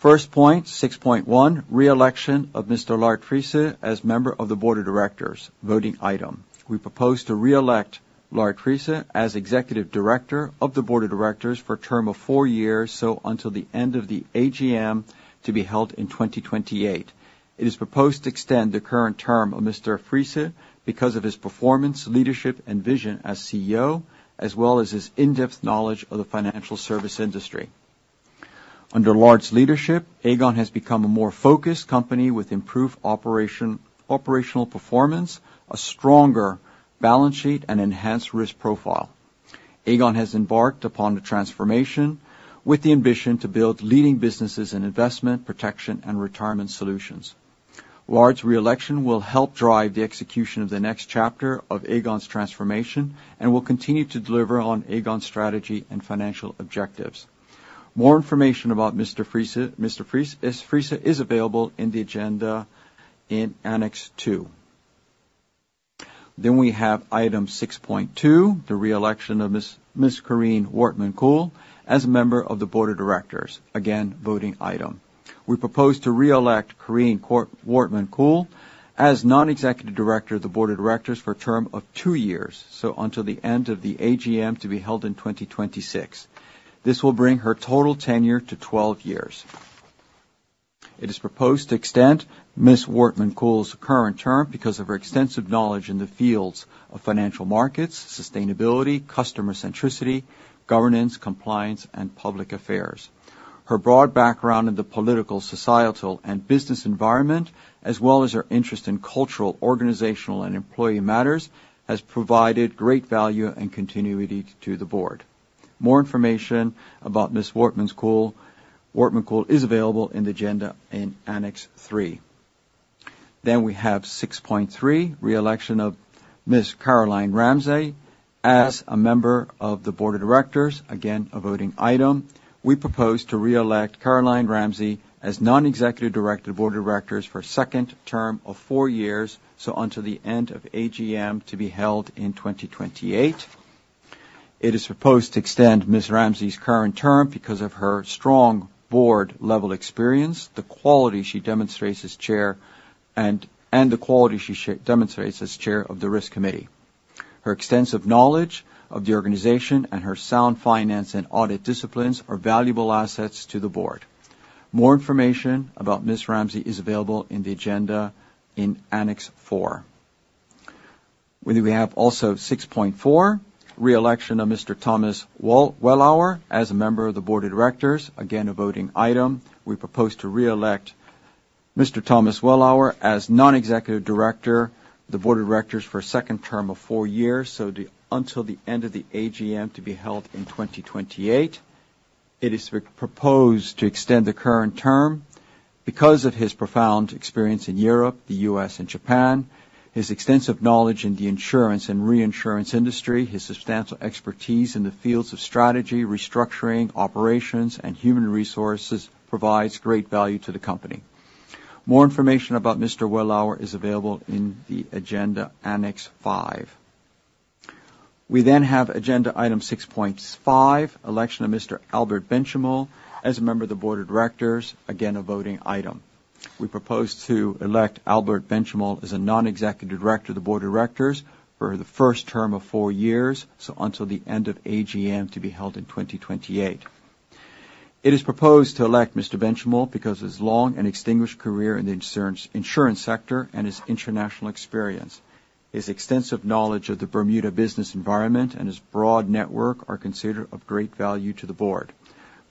S1: First point, 6.1, re-election of Mr. Lard Friese as member of the board of directors, voting item. We propose to re-elect Lard Friese as executive director of the board of directors for a term of 4 years, so until the end of the AGM, to be held in 2028. It is proposed to extend the current term of Mr. Friese because of his performance, leadership, and vision as CEO, as well as his in-depth knowledge of the financial services industry. Under Lard’s leadership, Aegon has become a more focused company with improved operation, operational performance, a stronger balance sheet, and enhanced risk profile. Aegon has embarked upon the transformation with the ambition to build leading businesses in investment, protection, and retirement solutions. Lard’s re-election will help drive the execution of the next chapter of Aegon’s transformation and will continue to deliver on Aegon’s strategy and financial objectives. More information about Mr. Friese is available in the agenda in Annex 2. Then we have item 6.2, the re-election of Ms. Corien Wortmann-Kool, as a member of the board of directors. Again, voting item. We propose to re-elect Corien Wortmann-Kool as non-executive director of the board of directors for a term of two years, so until the end of the AGM to be held in 2026. This will bring her total tenure to 12 years. It is proposed to extend Ms. Wortmann-Kool's current term because of her extensive knowledge in the fields of financial markets, sustainability, customer centricity, governance, compliance, and public affairs. Her broad background in the political, societal, and business environment, as well as her interest in cultural, organizational, and employee matters, has provided great value and continuity to the board. More information about Ms. Wortmann-Kool is available in the agenda in Annex 3. Then we have 6.3, re-election of Ms. Caroline Ramsay, as a member of the board of directors. Again, a voting item. We propose to re-elect Caroline Ramsay as non-executive director of the board of directors for a second term of four years, so until the end of AGM to be held in 2028. It is proposed to extend Ms. Ramsay's current term because of her strong board-level experience, the quality she demonstrates as Chair and the quality she demonstrates as Chair of the Risk Committee. Her extensive knowledge of the organization and her sound finance and audit disciplines are valuable assets to the board. More information about Ms. Ramsay is available in the agenda in Annex 4. Then we have also 6.4, re-election of Mr. Thomas Wellauer as a member of the board of directors. Again, a voting item. We propose to re-elect Mr. Thomas Wellauer as non-executive director of the board of directors for a second term of four years, so until the end of the AGM to be held in 2028. It is proposed to extend the current term because of his profound experience in Europe, the U.S. and Japan. His extensive knowledge in the insurance and reinsurance industry, his substantial expertise in the fields of strategy, restructuring, operations, and human resources provides great value to the company. More information about Mr. Wellauer is available in the agenda, Annex 5. We then have agenda item 6.5, election of Mr. Albert Benchimol as a member of the board of directors. Again, a voting item. We propose to elect Albert Benchimol as a non-executive director of the board of directors for the first term of four years, so until the end of AGM, to be held in 2028. It is proposed to elect Mr. Benchimol because of his long and distinguished career in the insurance, insurance sector and his international experience. His extensive knowledge of the Bermuda business environment and his broad network are considered of great value to the board.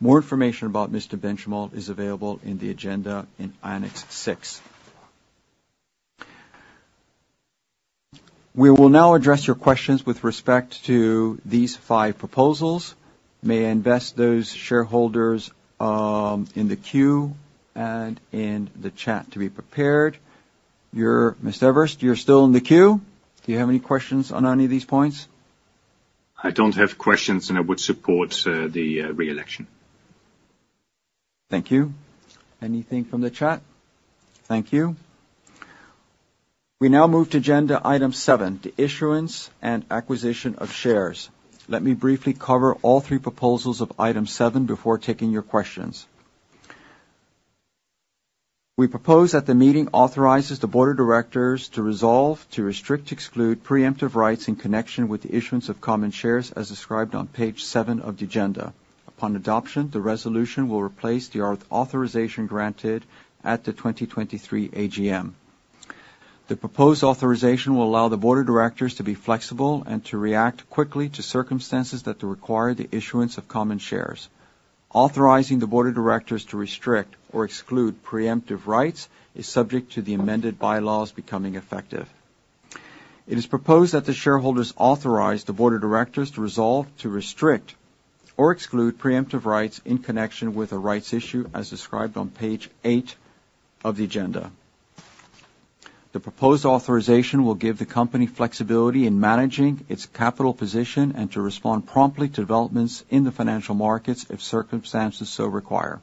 S1: More information about Mr. Benchimol is available in the agenda in Annex 6. We will now address your questions with respect to these five proposals. May I invite those shareholders in the queue and in the chat to be prepared. You're, Mr. Everts, you're still in the queue? Do you have any questions on any of these points?
S5: I don't have questions, and I would support the re-election.
S1: Thank you. Anything from the chat? Thank you. We now move to agenda item 7, the issuance and acquisition of shares. Let me briefly cover all three proposals of item 7 before taking your questions. We propose that the meeting authorizes the board of directors to resolve to restrict, exclude preemptive rights in connection with the issuance of common shares, as described on page seven of the agenda. Upon adoption, the resolution will replace the authorization granted at the 2023 AGM. The proposed authorization will allow the board of directors to be flexible and to react quickly to circumstances that require the issuance of common shares. Authorizing the board of directors to restrict or exclude preemptive rights is subject to the amended bylaws becoming effective. It is proposed that the shareholders authorize the board of directors to resolve to restrict or exclude preemptive rights in connection with the rights issue, as described on page eight of the agenda. The proposed authorization will give the company flexibility in managing its capital position and to respond promptly to developments in the financial markets if circumstances so require.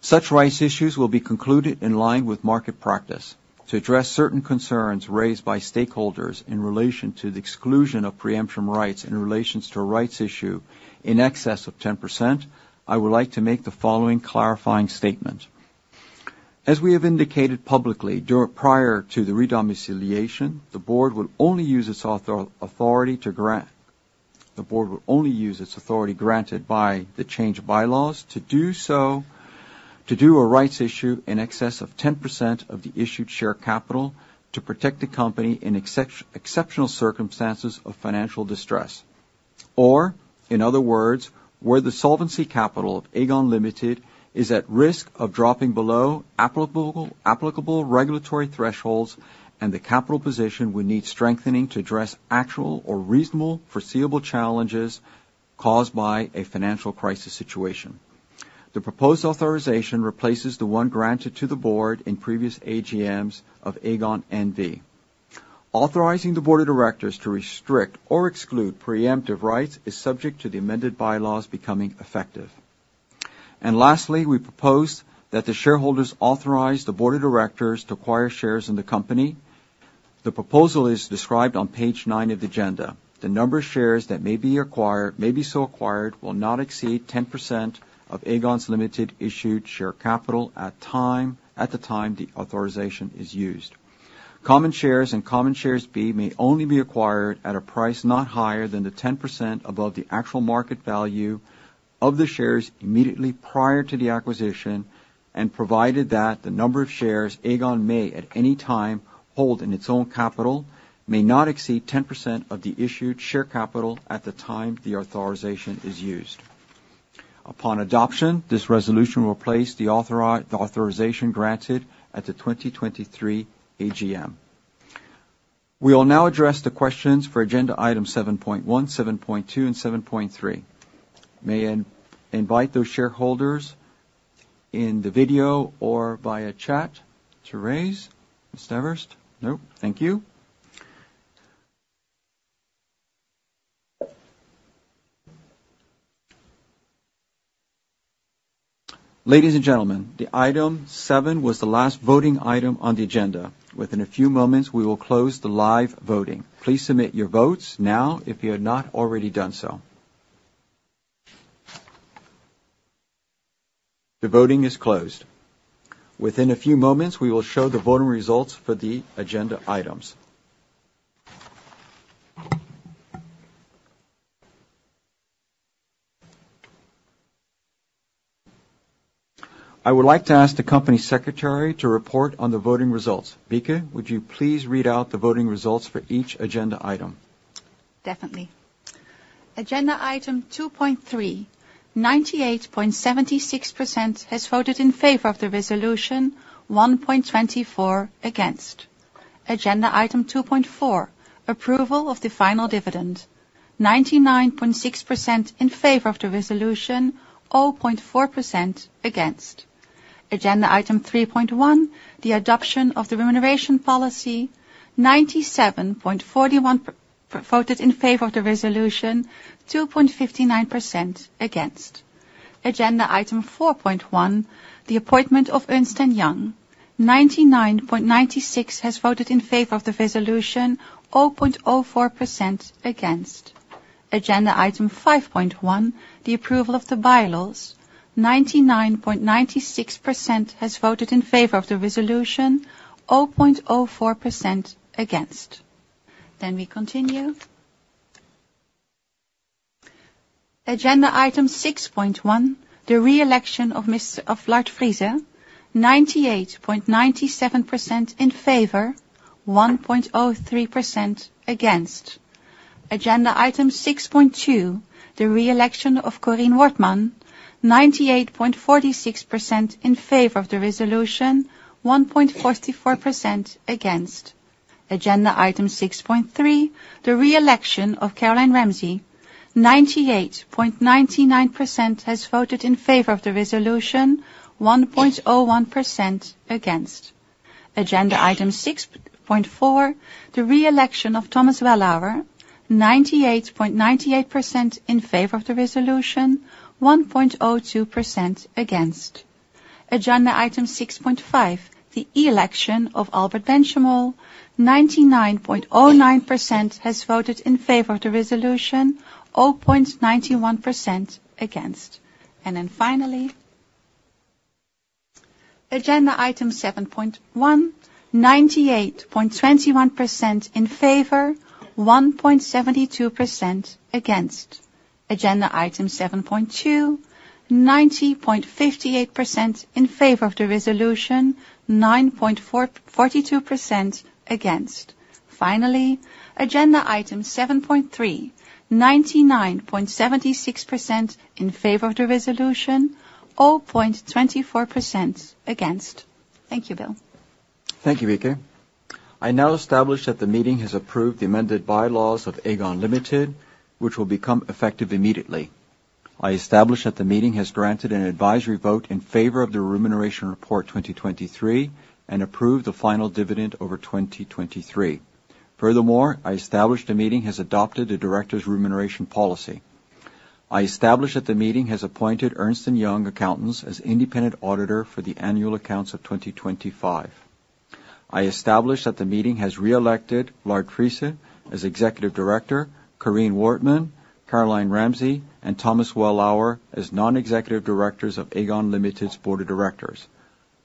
S1: Such rights issues will be concluded in line with market practice. To address certain concerns raised by stakeholders in relation to the exclusion of preemption rights in relations to a rights issue in excess of 10%, I would like to make the following clarifying statement. As we have indicated publicly, prior to the re-domiciliation, the board will only use its authority granted by the change of bylaws. To do so, to do a rights issue in excess of 10% of the issued share capital to protect the company in exceptional circumstances of financial distress, or in other words, where the solvency capital of Aegon Limited is at risk of dropping below applicable regulatory thresholds and the capital position will need strengthening to address actual or reasonable foreseeable challenges caused by a financial crisis situation. The proposed authorization replaces the one granted to the board in previous AGMs of Aegon N.V. Authorizing the board of directors to restrict or exclude preemptive rights is subject to the amended bylaws becoming effective. Lastly, we propose that the shareholders authorize the board of directors to acquire shares in the company. The proposal is described on page nine of the agenda. The number of shares that may be acquired, may be so acquired, will not exceed 10% of Aegon Limited's issued share capital at the time the authorization is used. Common Shares and Common Shares B may only be acquired at a price not higher than 10% above the actual market value of the shares immediately prior to the acquisition, and provided that the number of shares Aegon may, at any time, hold in its own capital, may not exceed 10% of the issued share capital at the time the authorization is used. Upon adoption, this resolution will replace the authorization granted at the 2023 AGM. We will now address the questions for agenda item 7.1, 7.2, and 7.3. May I invite those shareholders in the video or via chat to raise? Mr. Everts? No, thank you. Ladies and gentlemen, the item 7 was the last voting item on the agenda. Within a few moments, we will close the live voting. Please submit your votes now if you have not already done so. The voting is closed. Within a few moments, we will show the voting results for the agenda items. I would like to ask the company secretary to report on the voting results. Bieke, would you please read out the voting results for each agenda item?
S4: Definitely. Agenda item 2.3, 98.76% has voted in favor of the resolution, 1.24% against. Agenda item 2.4, approval of the final dividend, 99.6% in favor of the resolution, 0.4% against. Agenda item 3.1, the adoption of the remuneration policy, 97.41% voted in favor of the resolution, 2.59% against. Agenda item 4.1, the appointment of Ernst & Young, 99.96% has voted in favor of the resolution, 0.04% against. Agenda item 5.1, the approval of the bylaws, 99.96% has voted in favor of the resolution, 0.04% against. Then we continue. Agenda item 6.1, the re-election of Mr. Lard Friese, 98.97% in favor, 1.03% against. Agenda item 6.2, the re-election of Corien Wortmann, 98.46% in favor of the resolution, 1.44% against. Agenda item 6.3, the re-election of Caroline Ramsay, 98.99% has voted in favor of the resolution, 1.01% against. Agenda item 6.4, the re-election of Thomas Wellauer, 98.98% in favor of the resolution, 1.02% against. Agenda item 6.5, the election of Albert Benchimol, 99.09% has voted in favor of the resolution, 0.91% against. And then finally, agenda item 7.1, 98.21% in favor, 1.72% against. Agenda item 7.2, 90.58% in favor of the resolution, 9.42% against. Finally, agenda item 7.3, 99.76% in favor of the resolution, 0.24% against. Thank you, Bill.
S1: Thank you, Bieke. I now establish that the meeting has approved the amended bylaws of Aegon Limited, which will become effective immediately. I establish that the meeting has granted an advisory vote in favor of the Remuneration Report 2023 and approved the final dividend over 2023. Furthermore, I establish the meeting has adopted a directors' remuneration policy. I establish that the meeting has appointed Ernst & Young Accountants as independent auditor for the annual accounts of 2025. I establish that the meeting has re-elected Lard Friese as executive director, Corien Wortmann-Kool, Caroline Ramsay, and Thomas Wellauer as non-executive directors of Aegon Limited's Board of Directors.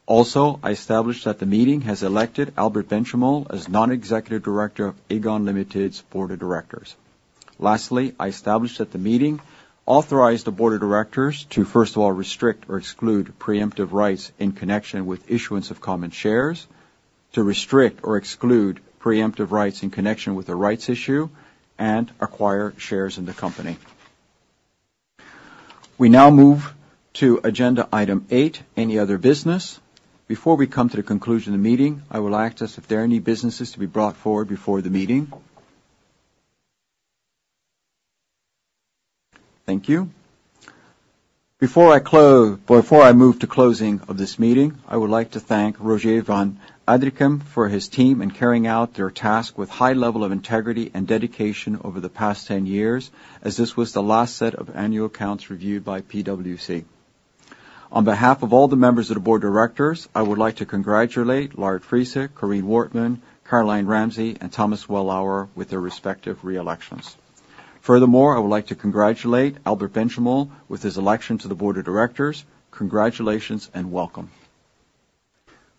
S1: Also, I establish that the meeting has elected Albert Benchimol as non-executive director of Aegon Limited's Board of Directors. Lastly, I establish that the meeting authorized the board of directors to, first of all, restrict or exclude preemptive rights in connection with issuance of common shares, to restrict or exclude preemptive rights in connection with the rights issue, and acquire shares in the company. We now move to agenda item 8, any other business. Before we come to the conclusion of the meeting, I will ask us if there are any businesses to be brought forward before the meeting? Thank you. Before I move to closing of this meeting, I would like to thank Rogier van Adrichem for his team in carrying out their task with high level of integrity and dedication over the past 10 years, as this was the last set of annual accounts reviewed by PwC. On behalf of all the members of the board of directors, I would like to congratulate Lard Friese, Corien Wortmann-Kool, Caroline Ramsay, and Thomas Wellauer with their respective re-elections. Furthermore, I would like to congratulate Albert Benchimol with his election to the board of directors. Congratulations and welcome.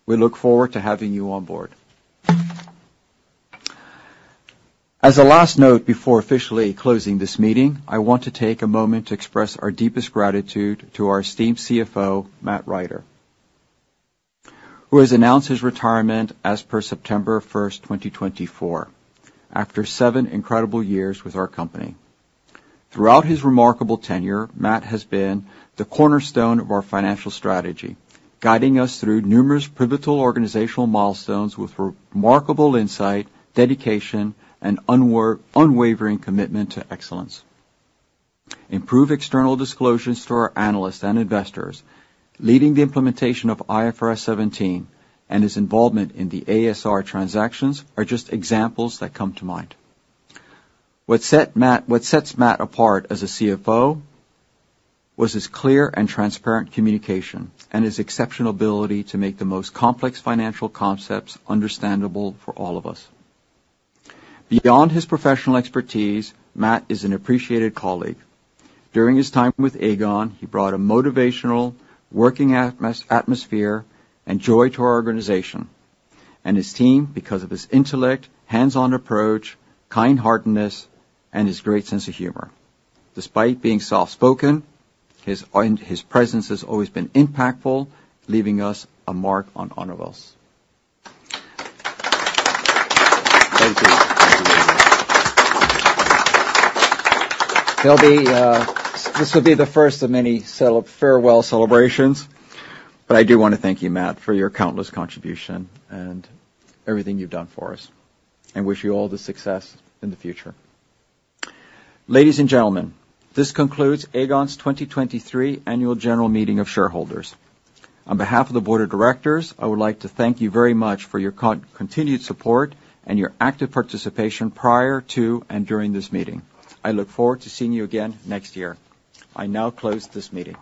S1: We look forward to having you on board. As a last note before officially closing this meeting, I want to take a moment to express our deepest gratitude to our esteemed CFO, Matt Rider, who has announced his retirement as per September 1st, 2024, after seven incredible years with our company. Throughout his remarkable tenure, Matt has been the cornerstone of our financial strategy, guiding us through numerous pivotal organizational milestones with remarkable insight, dedication, and unwavering commitment to excellence. Improve external disclosures to our analysts and investors, leading the implementation of IFRS 17, and his involvement in the a.s.r. transactions are just examples that come to mind. What sets Matt apart as a CFO was his clear and transparent communication, and his exceptional ability to make the most complex financial concepts understandable for all of us. Beyond his professional expertise, Matt is an appreciated colleague. During his time with Aegon, he brought a motivational working atmosphere and joy to our organization and his team because of his intellect, hands-on approach, kindheartedness, and his great sense of humor. Despite being soft-spoken, his own presence has always been impactful, leaving a mark on all of us.
S7: Thank you. Thank you very much.
S1: There'll be this will be the first of many farewell celebrations, but I do wanna thank you, Matt, for your countless contribution and everything you've done for us, and wish you all the success in the future. Ladies and gentlemen, this concludes Aegon's 2023 Annual General Meeting of Shareholders. On behalf of the board of directors, I would like to thank you very much for your continued support and your active participation prior to and during this meeting. I look forward to seeing you again next year. I now close this meeting.